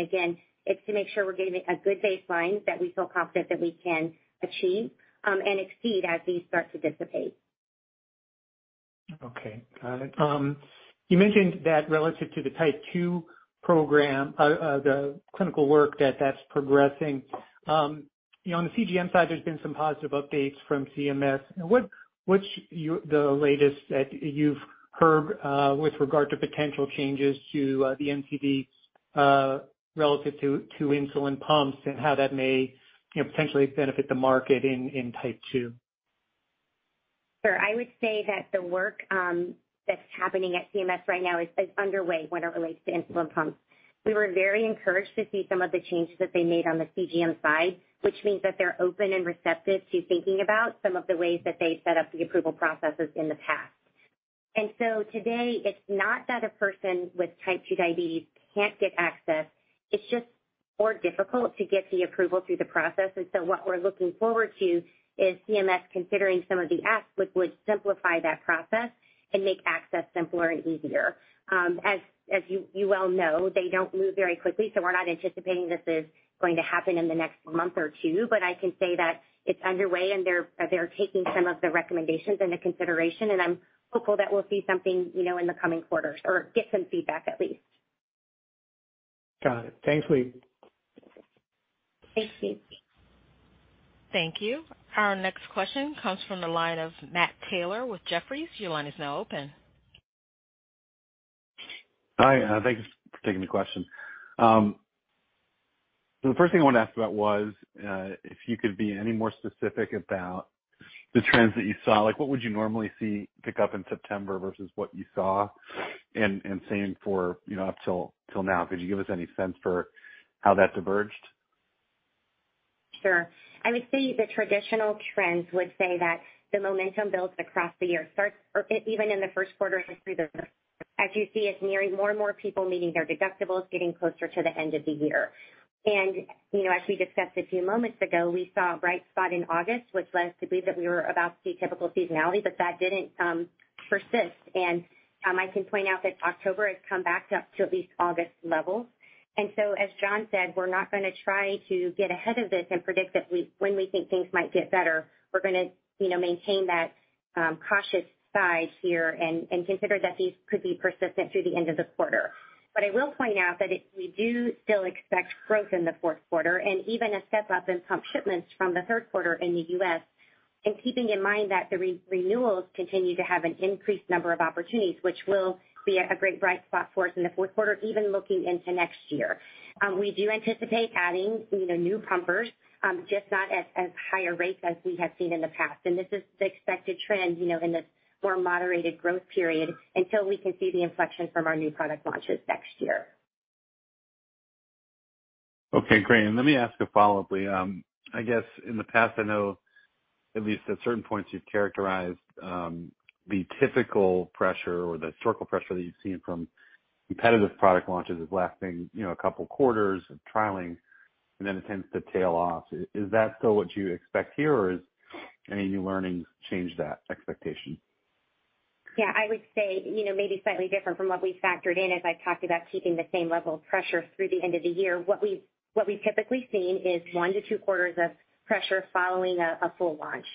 It's to make sure we're giving a good baseline that we feel confident that we can achieve, and exceed as these start to dissipate. Okay. Got it. You mentioned that relative to the type 2 program, the clinical work that's progressing. You know, on the CGM side, there's been some positive updates from CMS. The latest that you've heard with regard to potential changes to the LCD relative to insulin pumps and how that may, you know, potentially benefit the market in type 2? Sure. I would say that the work that's happening at CMS right now is underway when it relates to Insulin Pumps. We were very encouraged to see some of the changes that they made on the CGM side, which means that they're open and receptive to thinking about some of the ways that they set up the approval processes in the past. Today, it's not that a person with type two diabetes can't get access, it's just more difficult to get the approval through the process. What we're looking forward to is CMS considering some of the asks which would simplify that process and make access simpler and easier. As you well know, they don't move very quickly, so we're not anticipating this is going to happen in the next month or two. I can say that it's underway, and they're taking some of the recommendations into consideration, and I'm hopeful that we'll see something, you know, in the coming quarters or get some feedback at least. Got it. Thanks, Leigh. Thank you. Thank you. Our next question comes from the line of Matt Taylor with Jefferies. Your line is now open. Hi, thanks for taking the question. The first thing I wanted to ask about was, if you could be any more specific about the trends that you saw. Like, what would you normally see pick up in September versus what you saw and seeing for, you know, up till now? Could you give us any sense for how that diverged? Sure. I would say the traditional trends would say that the momentum builds across the year starts or even in the first quarter as you see it, nearing more and more people meeting their deductibles, getting closer to the end of the year. You know, as we discussed a few moments ago, we saw a bright spot in August, which led us to believe that we were about to see typical seasonality, but that didn't persist. I can point out that October has come back up to at least August levels. As John said, we're not going to try to get ahead of this and predict that we when we think things might get better. We're going to, you know, maintain that cautious side here and consider that these could be persistent through the end of the quarter. I will point out that we do still expect growth in the fourth quarter and even a step up in pump shipments from the third quarter in the U.S. Keeping in mind that the renewals continue to have an increased number of opportunities, which will be a great bright spot for us in the fourth quarter, even looking into next year. We do anticipate adding, you know, new pumpers, just not at higher rates as we have seen in the past. This is the expected trend, you know, in this more moderated growth period until we can see the inflection from our new product launches next year. Okay, great. Let me ask a follow-up, Leigh. I guess in the past I know at least at certain points you've characterized the typical pressure or the cyclical pressure that you've seen from competitive product launches as lasting, you know, a couple of quarters of trialing, and then it tends to tail off. Is that still what you expect here or is any new learnings change that expectation? Yeah, I would say, you know, maybe slightly different from what we factored in as I talked about keeping the same level of pressure through the end of the year. What we've typically seen is one to two quarters of pressure following a full launch.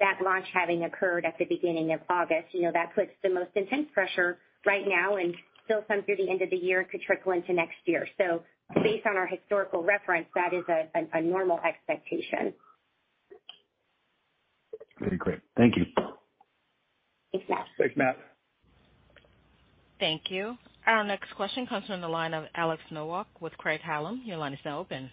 That launch having occurred at the beginning of August. You know, that puts the most intense pressure right now and still some through the end of the year could trickle into next year. Based on our historical reference, that is a normal expectation. Very great. Thank you. Thanks, Matt. Thanks, Matt. Thank you. Our next question comes from the line of Alex Nowak with Craig-Hallum. Your line is now open.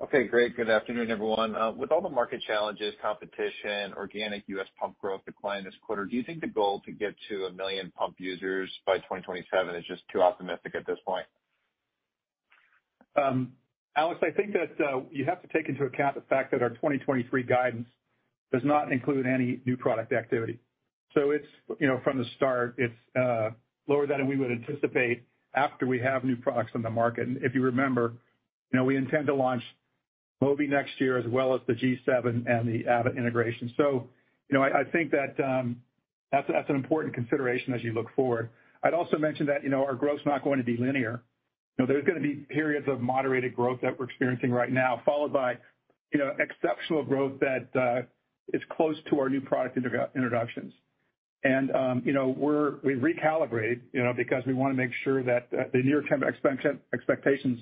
Okay, great. Good afternoon, everyone. With all the market challenges, competition, organic U.S. pump growth decline this quarter, do you think the goal to get to 1 million pump users by 2027 is just too optimistic at this point? Alex, I think that you have to take into account the fact that our 2023 guidance does not include any new product activity. It's, you know, from the start, it's lower than we would anticipate after we have new products on the market. If you remember, you know, we intend to launch Mobi next year as well as the G7 and the Abbott integration. You know, I think that that's an important consideration as you look forward. I'd also mention that, you know, our growth is not going to be linear. You know, there's going to a be periods of moderated growth that we're experiencing right now, followed by, you know, exceptional growth that is close to our new product introductions. You know, we're recalibrating because we want to make sure that the near-term expectations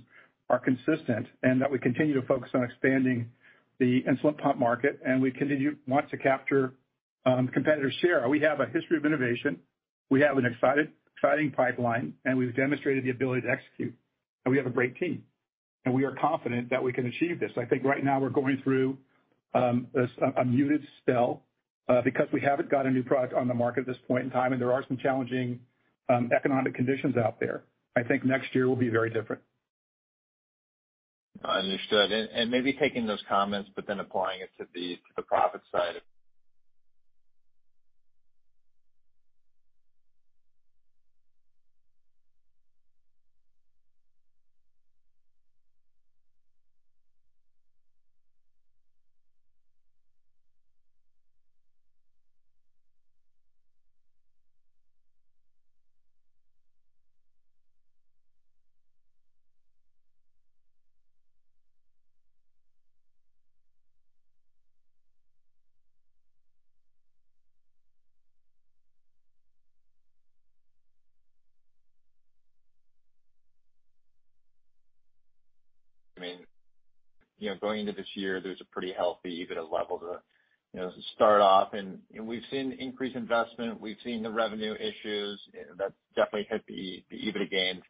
are consistent and that we continue to focus on expanding the Insulin Pump Market. We want to capture competitor share. We have a history of innovation. We have an exciting pipeline, and we've demonstrated the ability to execute, and we have a great team, and we are confident that we can achieve this. I think right now we're going through a muted spell because we haven't got a new product on the market at this point in time, and there are some challenging economic conditions out there. I think next year will be very different. Understood. Maybe taking those comments, but then applying it to the profit side of. I mean, you know, going into this year, there's a pretty healthy EBITDA level to, you know, start off. We've seen increased investment. We've seen the revenue issues that definitely hit the EBITDA gains.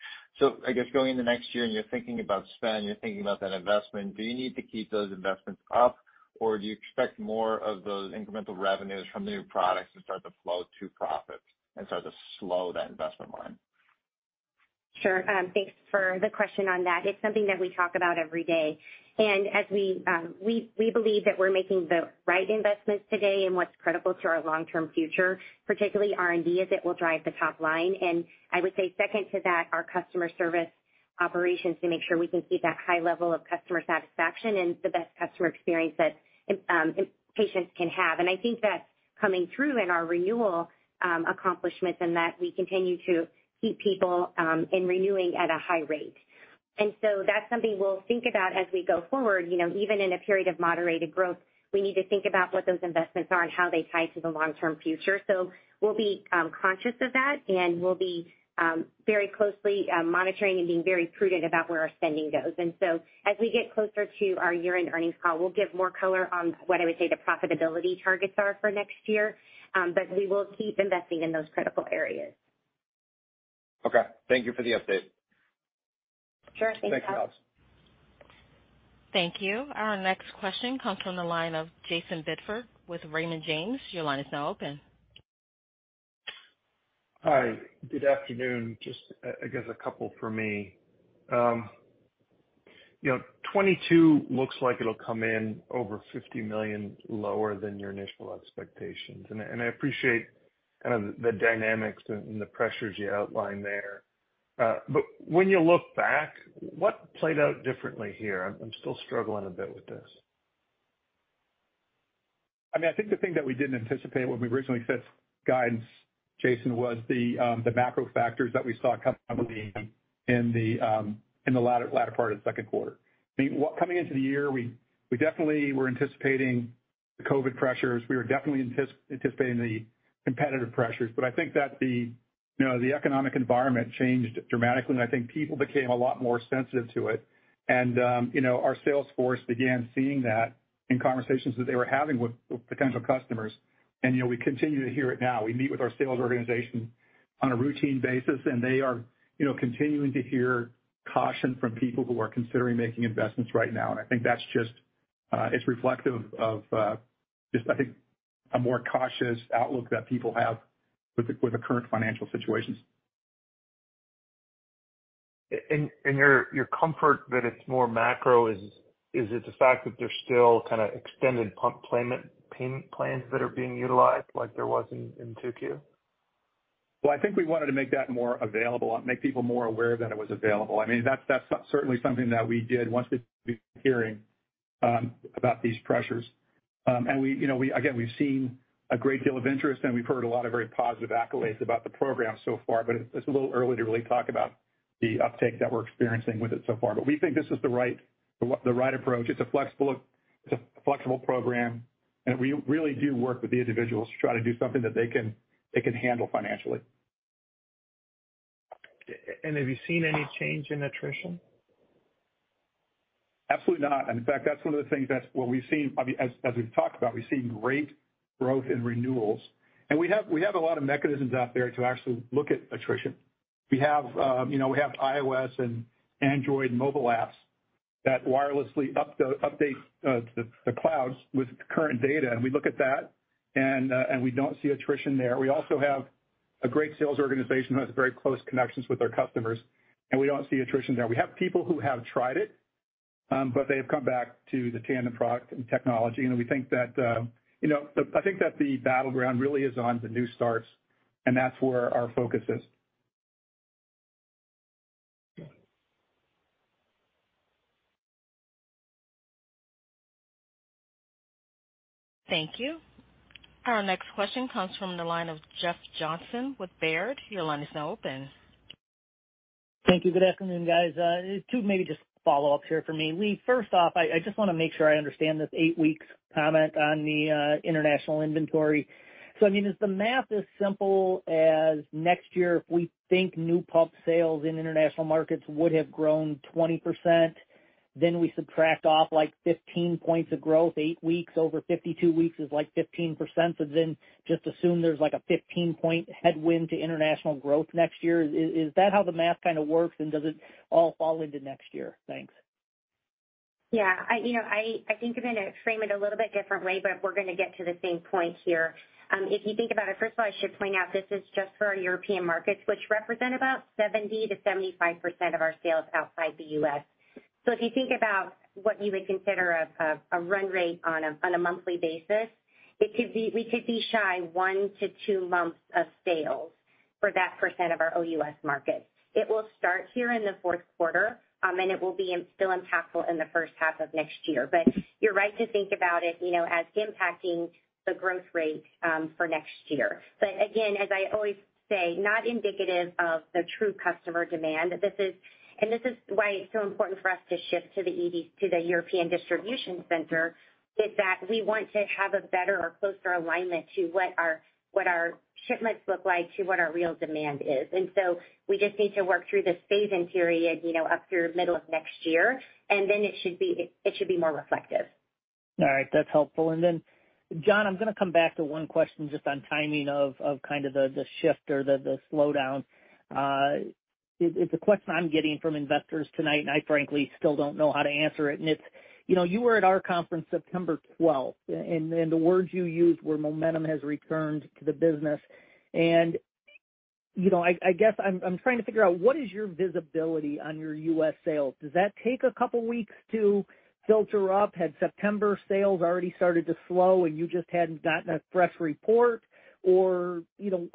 I guess going into next year and you're thinking about spend, you're thinking about that investment, do you need to keep those investments up, or do you expect more of those incremental revenues from new products to start to flow to profits and start to slow that investment line? Sure. Thanks for the question on that. It's something that we talk about every day. We believe that we're making the right investments today and what's critical to our long-term future, particularly R&D, as it will drive the top line. I would say second to that, our customer service operations to make sure we can keep that high level of customer satisfaction and the best customer experience that patients can have. I think that's coming through in our renewal accomplishments in that we continue to keep people in renewing at a high rate. That's something we'll think about as we go forward. You know, even in a period of moderated growth, we need to think about what those investments are and how they tie to the long-term future. We'll be conscious of that, and we'll be very closely monitoring and being very prudent about where our spending goes. As we get closer to our year-end earnings call, we'll give more color on what I would say the profitability targets are for next year. We will keep investing in those critical areas. Okay. Thank you for the update. Sure. Thanks, Alex. Thanks, Alex. Thank you. Our next question comes from the line of Jayson Bedford with Raymond James. Your line is now open. Hi, good afternoon. Just, I guess a couple from me. You know, 2022 looks like it'll come in over $50 million lower than your initial expectations. I appreciate kind of the dynamics and the pressures you outlined there. But when you look back, what played out differently here? I'm still struggling a bit with this. I mean, I think the thing that we didn't anticipate when we originally set guidance, Jayson, was the macro factors that we saw come in the latter part of the second quarter. I mean, coming into the year, we definitely were anticipating the COVID pressures. We were definitely anticipating the competitive pressures. I think that the, you know, the economic environment changed dramatically, and I think people became a lot more sensitive to it. You know, our sales force began seeing that in conversations that they were having with potential customers. You know, we continue to hear it now. We meet with our sales organization on a routine basis, and they are, you know, continuing to hear caution from people who are considering making investments right now. I think that's just, it's reflective of, just, I think, a more cautious outlook that people have with the current financial situations. Your comfort that it's more macro, is it the fact that there's still kind of extended pump payment plans that are being utilized like there was in 2Q? Well, I think we wanted to make that more available and make people more aware that it was available. I mean, that's certainly something that we did once we were hearing about these pressures. You know, again, we've seen a great deal of interest, and we've heard a lot of very positive accolades about the program so far, but it's a little early to really talk about the uptake that we're experiencing with it so far. We think this is the right approach. It's a flexible program, and we really do work with the individuals to try to do something that they can handle financially. Have you seen any change in attrition? Absolutely not. In fact, that's one of the things that we've seen. I mean, as we've talked about, we've seen great growth in renewals, and we have a lot of mechanisms out there to actually look at attrition. We have iOS and Android mobile apps that wirelessly update the cloud with current data, and we look at that and we don't see attrition there. We also have a great sales organization who has very close connections with our customers, and we don't see attrition there. We have people who have tried it, but they've come back to the Tandem product and technology. We think that the battleground really is on the new starts, and that's where our focus is. Okay. Thank you. Our next question comes from the line of Jeff Johnson with Baird. Your line is now open. Thank you. Good afternoon, guys. Two maybe just follow-ups here for me. Leigh, first off, I just want to make sure I understand this eight weeks comment on the international inventory. I mean, is the math as simple as next year if we think new pump sales in international markets would have grown 20%, then we subtract off like 15 points of growth, eight weeks over 52 weeks is like 15%, so then just assume there's like a 15-point headwind to international growth next year? Is that how the math kind of a works? Does it all fall into next year? Thanks. Yeah. I think I'm going to frame it a little bit differently, but we're going to get to the same point here. If you think about it, first of all, I should point out this is just for our European markets, which represent about 70%-75% of our sales outside the US. If you think about what you would consider a run rate on a monthly basis, we could be shy one to two months of sales for that percent of our OUS market. It will start here in the fourth quarter, and it will be still impactful in the first half of next year. You're right to think about it as impacting the growth rate for next year. Again, as I always say, not indicative of the true customer demand. This is why it's so important for us to shift to the EDC to the European Distribution Center, is that we want to have a better or closer alignment to what our shipments look like, to what our real demand is. We just need to work through this phase-in period, you know, up through middle of next year, and then it should be more reflective. All right. That's helpful. John, I'm going to come back to one question just on timing of kind of the shift or the slowdown. It's a question I'm getting from investors tonight, and I frankly still don't know how to answer it. It's, you know, you were at our conference September 12th, and the words you used were, "Momentum has returned to the business." You know, I guess I'm trying to figure out, what is your visibility on your U.S. sales? Does that take a couple weeks to filter up? Had September sales already started to slow, and you just hadn't gotten a fresh report? Or, you know,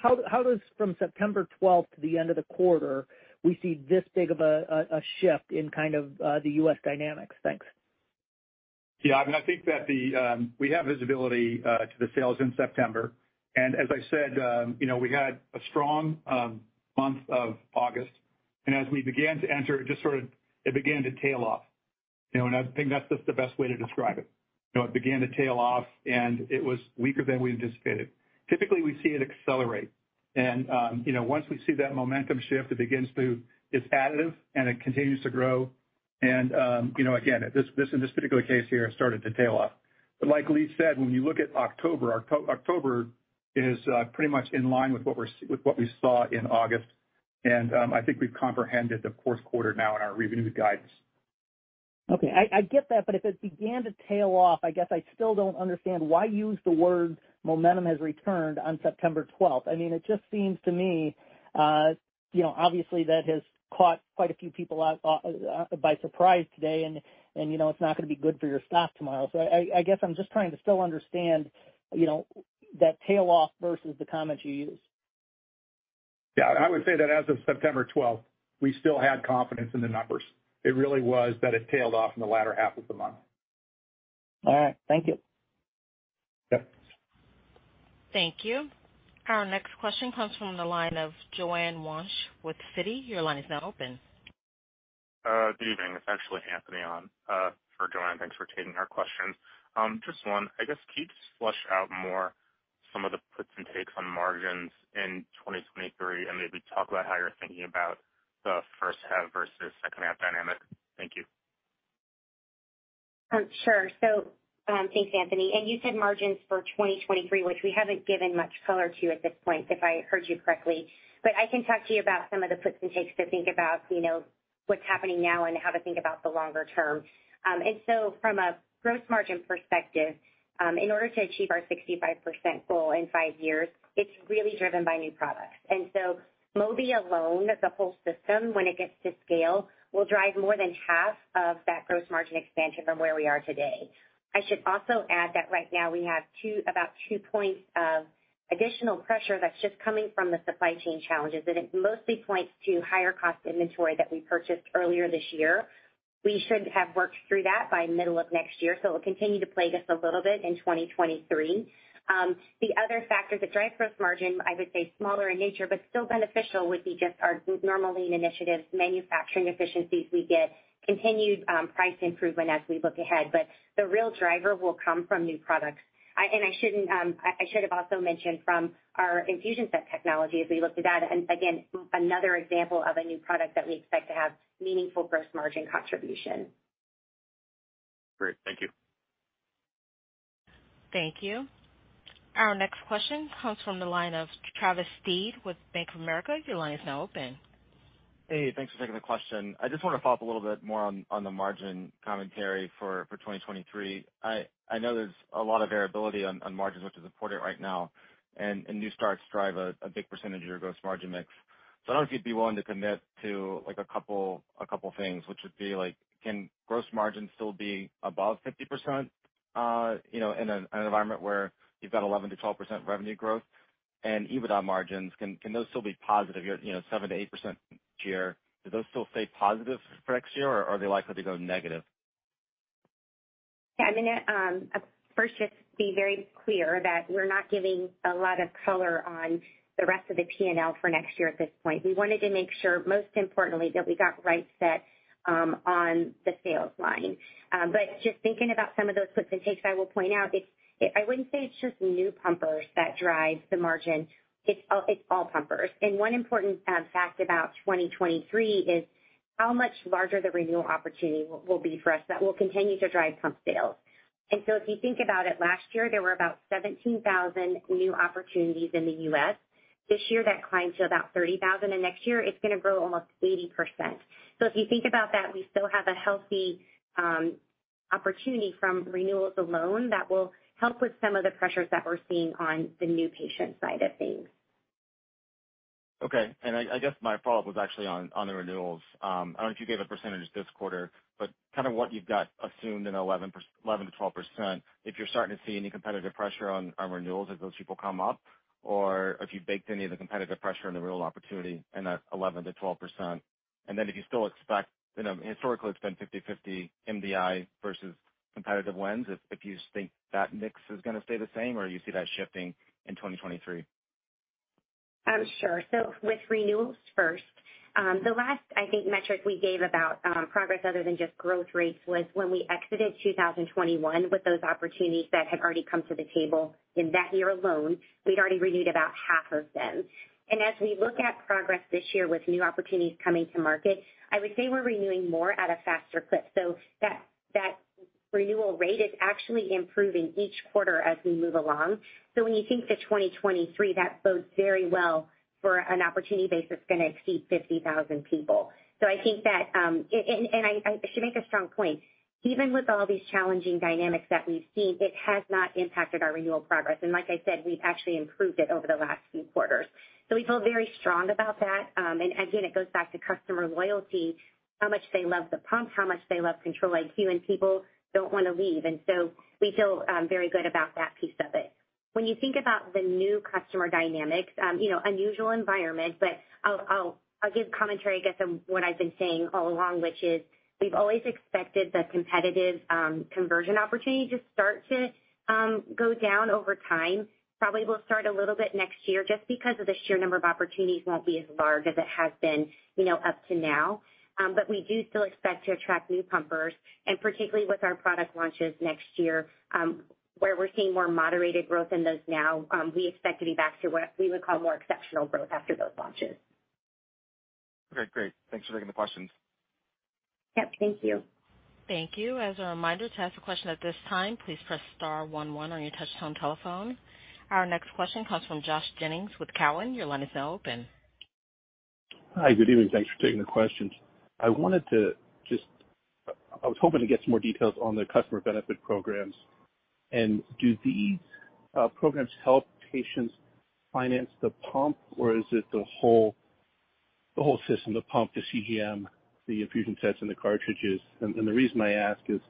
how does from September 12th to the end of the quarter we see this big of a shift in kind of the U.S. dynamics? Thanks. Yeah. I mean, I think that we have visibility to the sales in September. As I said, you know, we had a strong month of August. As we began to enter, it just sort of began to tail off. You know, I think that's just the best way to describe it. You know, it began to tail off, and it was weaker than we anticipated. Typically, we see it accelerate, and you know, once we see that momentum shift, it's additive, and it continues to grow. You know, again, in this particular case here, it started to tail off. Like Leigh said, when you look at October is pretty much in line with what we saw in August. I think we've comprehended the fourth quarter now in our revenue guidance. Okay, I get that, but if it began to tail off, I guess I still don't understand why use the word momentum has returned on September 12th. I mean, it just seems to me, you know, obviously that has caught quite a few people off by surprise today. And you know, it's not going to be good for your stock tomorrow. I guess I'm just trying to still understand, you know, that tail off versus the comment you used. Yeah. I would say that as of September 12th, we still had confidence in the numbers. It really was that it tailed off in the latter half of the month. All right. Thank you. Yep. Thank you. Our next question comes from the line of Joanne Wuensch with Citi. Your line is now open. Good evening. It's actually Anthony on for Joanne. Thanks for taking our question. Just one. I guess can you just flesh out more some of the puts and takes on margins in 2023 and maybe talk about how you're thinking about the first half versus second half dynamic? Thank you. Sure. Thanks, Anthony. You said margins for 2023, which we haven't given much color to at this point, if I heard you correctly. I can talk to you about some of the puts and takes to think about, you know, what's happening now and how to think about the longer term. From a gross margin perspective, in order to achieve our 65% goal in five years, it's really driven by new products. Mobi alone as a whole system when it gets to scale, will drive more than half of that gross margin expansion from where we are today. I should also add that right now we have about two points of additional pressure that's just coming from the supply chain challenges, and it mostly points to higher cost inventory that we purchased earlier this year. We should have worked through that by middle of next year, so it will continue to plague us a little bit in 2023. The other factors that drive gross margin, I would say smaller in nature but still beneficial, would be just our normal lean initiatives, manufacturing efficiencies we get, continued price improvement as we look ahead. But the real driver will come from new products. I should have also mentioned from our infusion set technology as we look to that. Again, another example of a new product that we expect to have meaningful gross margin contribution. Great. Thank you. Thank you. Our next question comes from the line of Travis Steed with Bank of America. Your line is now open. Hey, thanks for taking the question. I just want to follow up a little bit more on the margin commentary for 2023. I know there's a lot of variability on margins, which is important right now. New starts drive a big percentage of your gross margin mix. I don't know if you'd be willing to commit to, like, a couple things, which would be like, can gross margin still be above 50%, you know, in an environment where you've got 11%-12% revenue growth? EBITDA margins, can those still be positive, you know, 7%-8% this year? Do those still stay positive for next year, or are they likely to go negative? Yeah. I'm going to first just be very clear that we're not giving a lot of color on the rest of the P&L for next year at this point. We wanted to make sure, most importantly, that we got right set on the sales line. But just thinking about some of those puts and takes, I will point out I wouldn't say it's just new pumpers that drive the margin. It's all pumpers. One important fact about 2023 is how much larger the renewal opportunity will be for us. That will continue to drive pump sales. If you think about it, last year there were about 17,000 new opportunities in the U.S. This year that climbs to about 30,000, and next year it's going to grow almost 80%. If you think about that, we still have a healthy opportunity from renewals alone that will help with some of the pressures that we're seeing on the new patient side of things. I guess my follow-up was actually on the renewals. I don't know if you gave a percentage this quarter, but kind of what you've got assumed in 11%-12%, if you're starting to see any competitive pressure on renewals as those people come up or if you've baked any of the competitive pressure in the renewal opportunity in that 11%-12%. If you still expect, you know, historically it's been 50/50 MDI versus competitive wins, if you think that mix is going to stay the same or you see that shifting in 2023. Sure. With renewals first, the last metric we gave about progress other than just growth rates was when we exited 2021 with those opportunities that had already come to the table. In that year alone, we'd already renewed about half of them. As we look at progress this year with new opportunities coming to market, I would say we're renewing more at a faster clip. That renewal rate is actually improving each quarter as we move along. When you think to 2023, that bodes very well for an opportunity base that's going to exceed 50,000 people. I think that. I should make a strong point. Even with all these challenging dynamics that we've seen, it has not impacted our renewal progress. Like I said, we've actually improved it over the last few quarters. We feel very strong about that. Again, it goes back to customer loyalty, how much they love the pump, how much they love Control-IQ. People don't want to leave, and so we feel very good about that piece of it. When you think about the new customer dynamics, you know, unusual environment, but I'll give commentary, I guess, on what I've been saying all along, which is we've always expected the competitive conversion opportunity to start to go down over time. Probably will start a little bit next year just because of the sheer number of opportunities won't be as large as it has been, you know, up to now. We do still expect to attract new pumpers, and particularly with our product launches next year, where we're seeing more moderated growth in those now, we expect to be back to what we would call more exceptional growth after those launches. Okay, great. Thanks for taking the questions. Yep, thank you. Thank you. As a reminder, to ask a question at this time, please press star one one on your touchtone telephone. Our next question comes from Joshua Jennings with Cowen. Your line is now open. Hi. Good evening. Thanks for taking the questions. I was hoping to get some more details on the customer benefit programs. Do these programs help patients finance the pump, or is it the whole system, the pump, the CGM, the infusion sets and the cartridges? The reason I ask is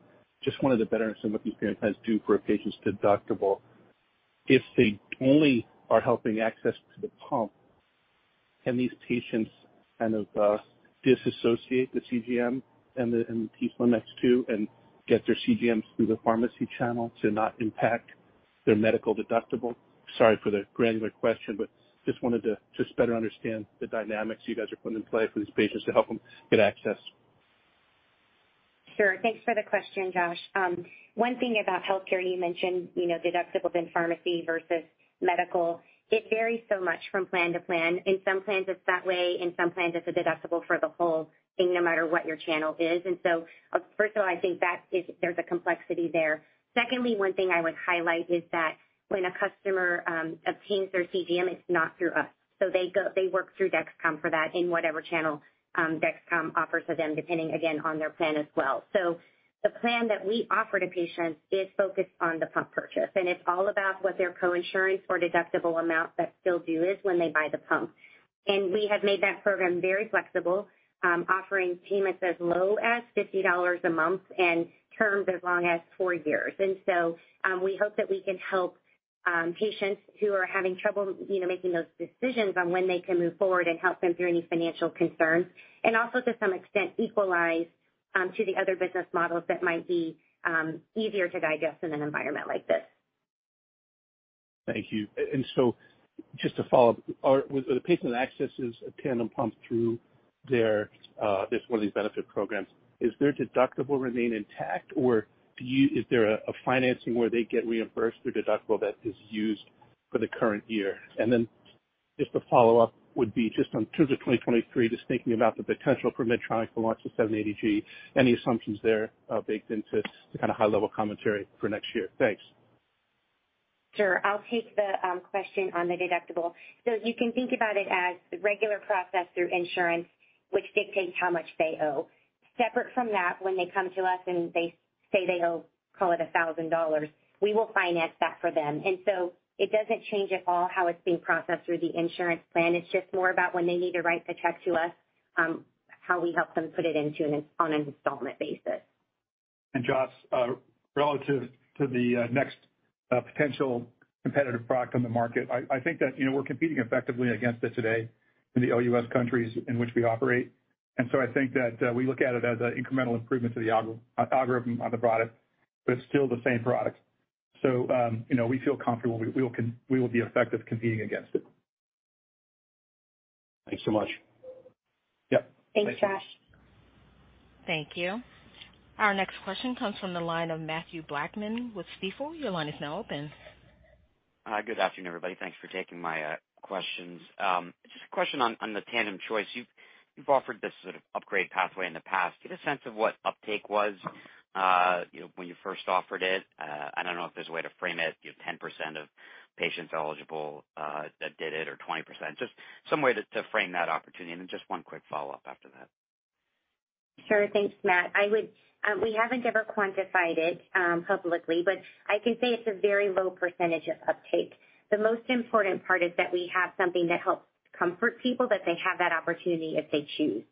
just wanted a better understanding what these plans do for a patient's deductible. If they only are helping access to the pump, can these patients kind of disassociate the CGM and the t:slim X2 and get their CGMs through the pharmacy channel to not impact their medical deductible? Sorry for the granular question, but just wanted to just better understand the dynamics you guys are putting in play for these patients to help them get access. Sure. Thanks for the question, Joshua. One thing about healthcare, and you mentioned, you know, deductibles and pharmacy versus medical, it varies so much from plan to plan. In some plans it's that way, in some plans it's a deductible for the whole thing no matter what your channel is. First of all, I think there's a complexity there. Secondly, one thing I would highlight is that when a customer obtains their CGM, it's not through us. They work through Dexcom for that in whatever channel Dexcom offers to them, depending again on their plan as well. The plan that we offer to patients is focused on the pump purchase, and it's all about what their co-insurance or deductible amount that's still due is when they buy the pump. We have made that program very flexible, offering payments as low as $50 a month and terms as long as four years. We hope that we can help patients who are having trouble, you know, making those decisions on when they can move forward and help them through any financial concerns, and also to some extent equalize to the other business models that might be easier to digest in an environment like this. Thank you. So just to follow up, when the patient accesses a Tandem pump through their this one of these benefit programs, is their deductible remain intact, or is there a financing where they get reimbursed their deductible that is used for the current year? Just a follow-up would be just in terms of 2023, just thinking about the potential for Medtronic to launch the 780G. Any assumptions there baked into kind of high level commentary for next year? Thanks. Sure. I'll take the question on the deductible. You can think about it as the regular process through insurance, which dictates how much they owe. Separate from that, when they come to us and they say they owe, call it $1,000, we will finance that for them. It doesn't change at all how it's being processed through the insurance plan. It's just more about when they need to write the check to us, how we help them put it on an installment basis. Josh, relative to the next potential competitive product on the market, I think that, you know, we're competing effectively against it today in the OUS countries in which we operate. I think that we look at it as an incremental improvement to the algorithm on the product, but it's still the same product. You know, we feel comfortable we will be effective competing against it. Thanks so much. Yep. Thanks, Josh. Thank you. Our next question comes from the line of Mathew Blackman with Stifel. Your line is now open. Hi, good afternoon, everybody. Thanks for taking my questions. Just a question on the Tandem Choice. You've offered this sort of upgrade pathway in the past. Get a sense of what uptake was, you know, when you first offered it. I don't know if there's a way to frame it. Do you have 10% of patients eligible that did it, or 20%? Just some way to frame that opportunity, and then just one quick follow-up after that. Sure. Thanks, Matt. We haven't ever quantified it publicly, but I can say it's a very low percentage of uptake. The most important part is that we have something that helps comfort people, that they have that opportunity if they choose.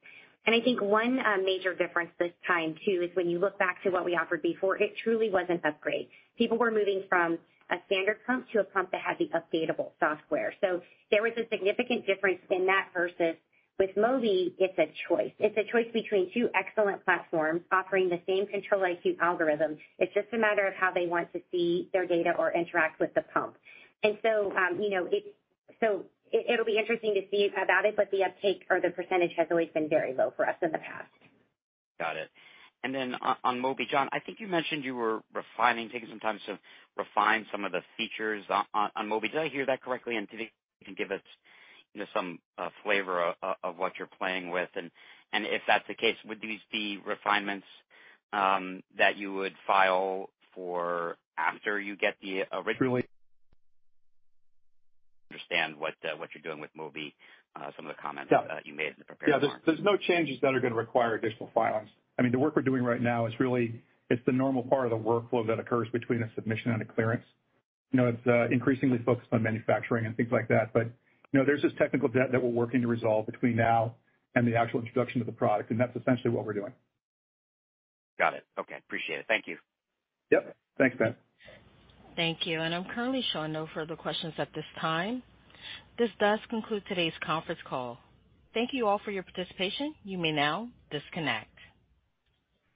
I think one major difference this time too is when you look back to what we offered before, it truly was an upgrade. People were moving from a standard pump to a pump that had the updatable software. There was a significant difference in that versus with Mobi, it's a choice. It's a choice between two excellent platforms offering the same Control-IQ algorithm. It's just a matter of how they want to see their data or interact with the pump. You know, it'll be interesting to see about it, but the uptake or the percentage has always been very low for us in the past. Got it. Then on Mobi, John, I think you mentioned you were refining, taking some time to refine some of the features on Mobi. Did I hear that correctly? Today you can give us, you know, some flavor of what you're playing with. If that's the case, would these be refinements that you would file for after you get the original understand what you're doing with Mobi, some of the comments. Yeah. You made in the prepared remarks. Yeah. There's no changes that are going to require additional filings. I mean, the work we're doing right now is really, it's the normal part of the workflow that occurs between a submission and a clearance. You know, it's increasingly focused on manufacturing and things like that. You know, there's this technical debt that we're working to resolve between now and the actual introduction of the product, and that's essentially what we're doing. Got it. Okay. Appreciate it. Thank you. Yep. Thanks, Matt. Thank you. I'm currently showing no further questions at this time. This does conclude today's conference call. Thank you all for your participation. You may now disconnect.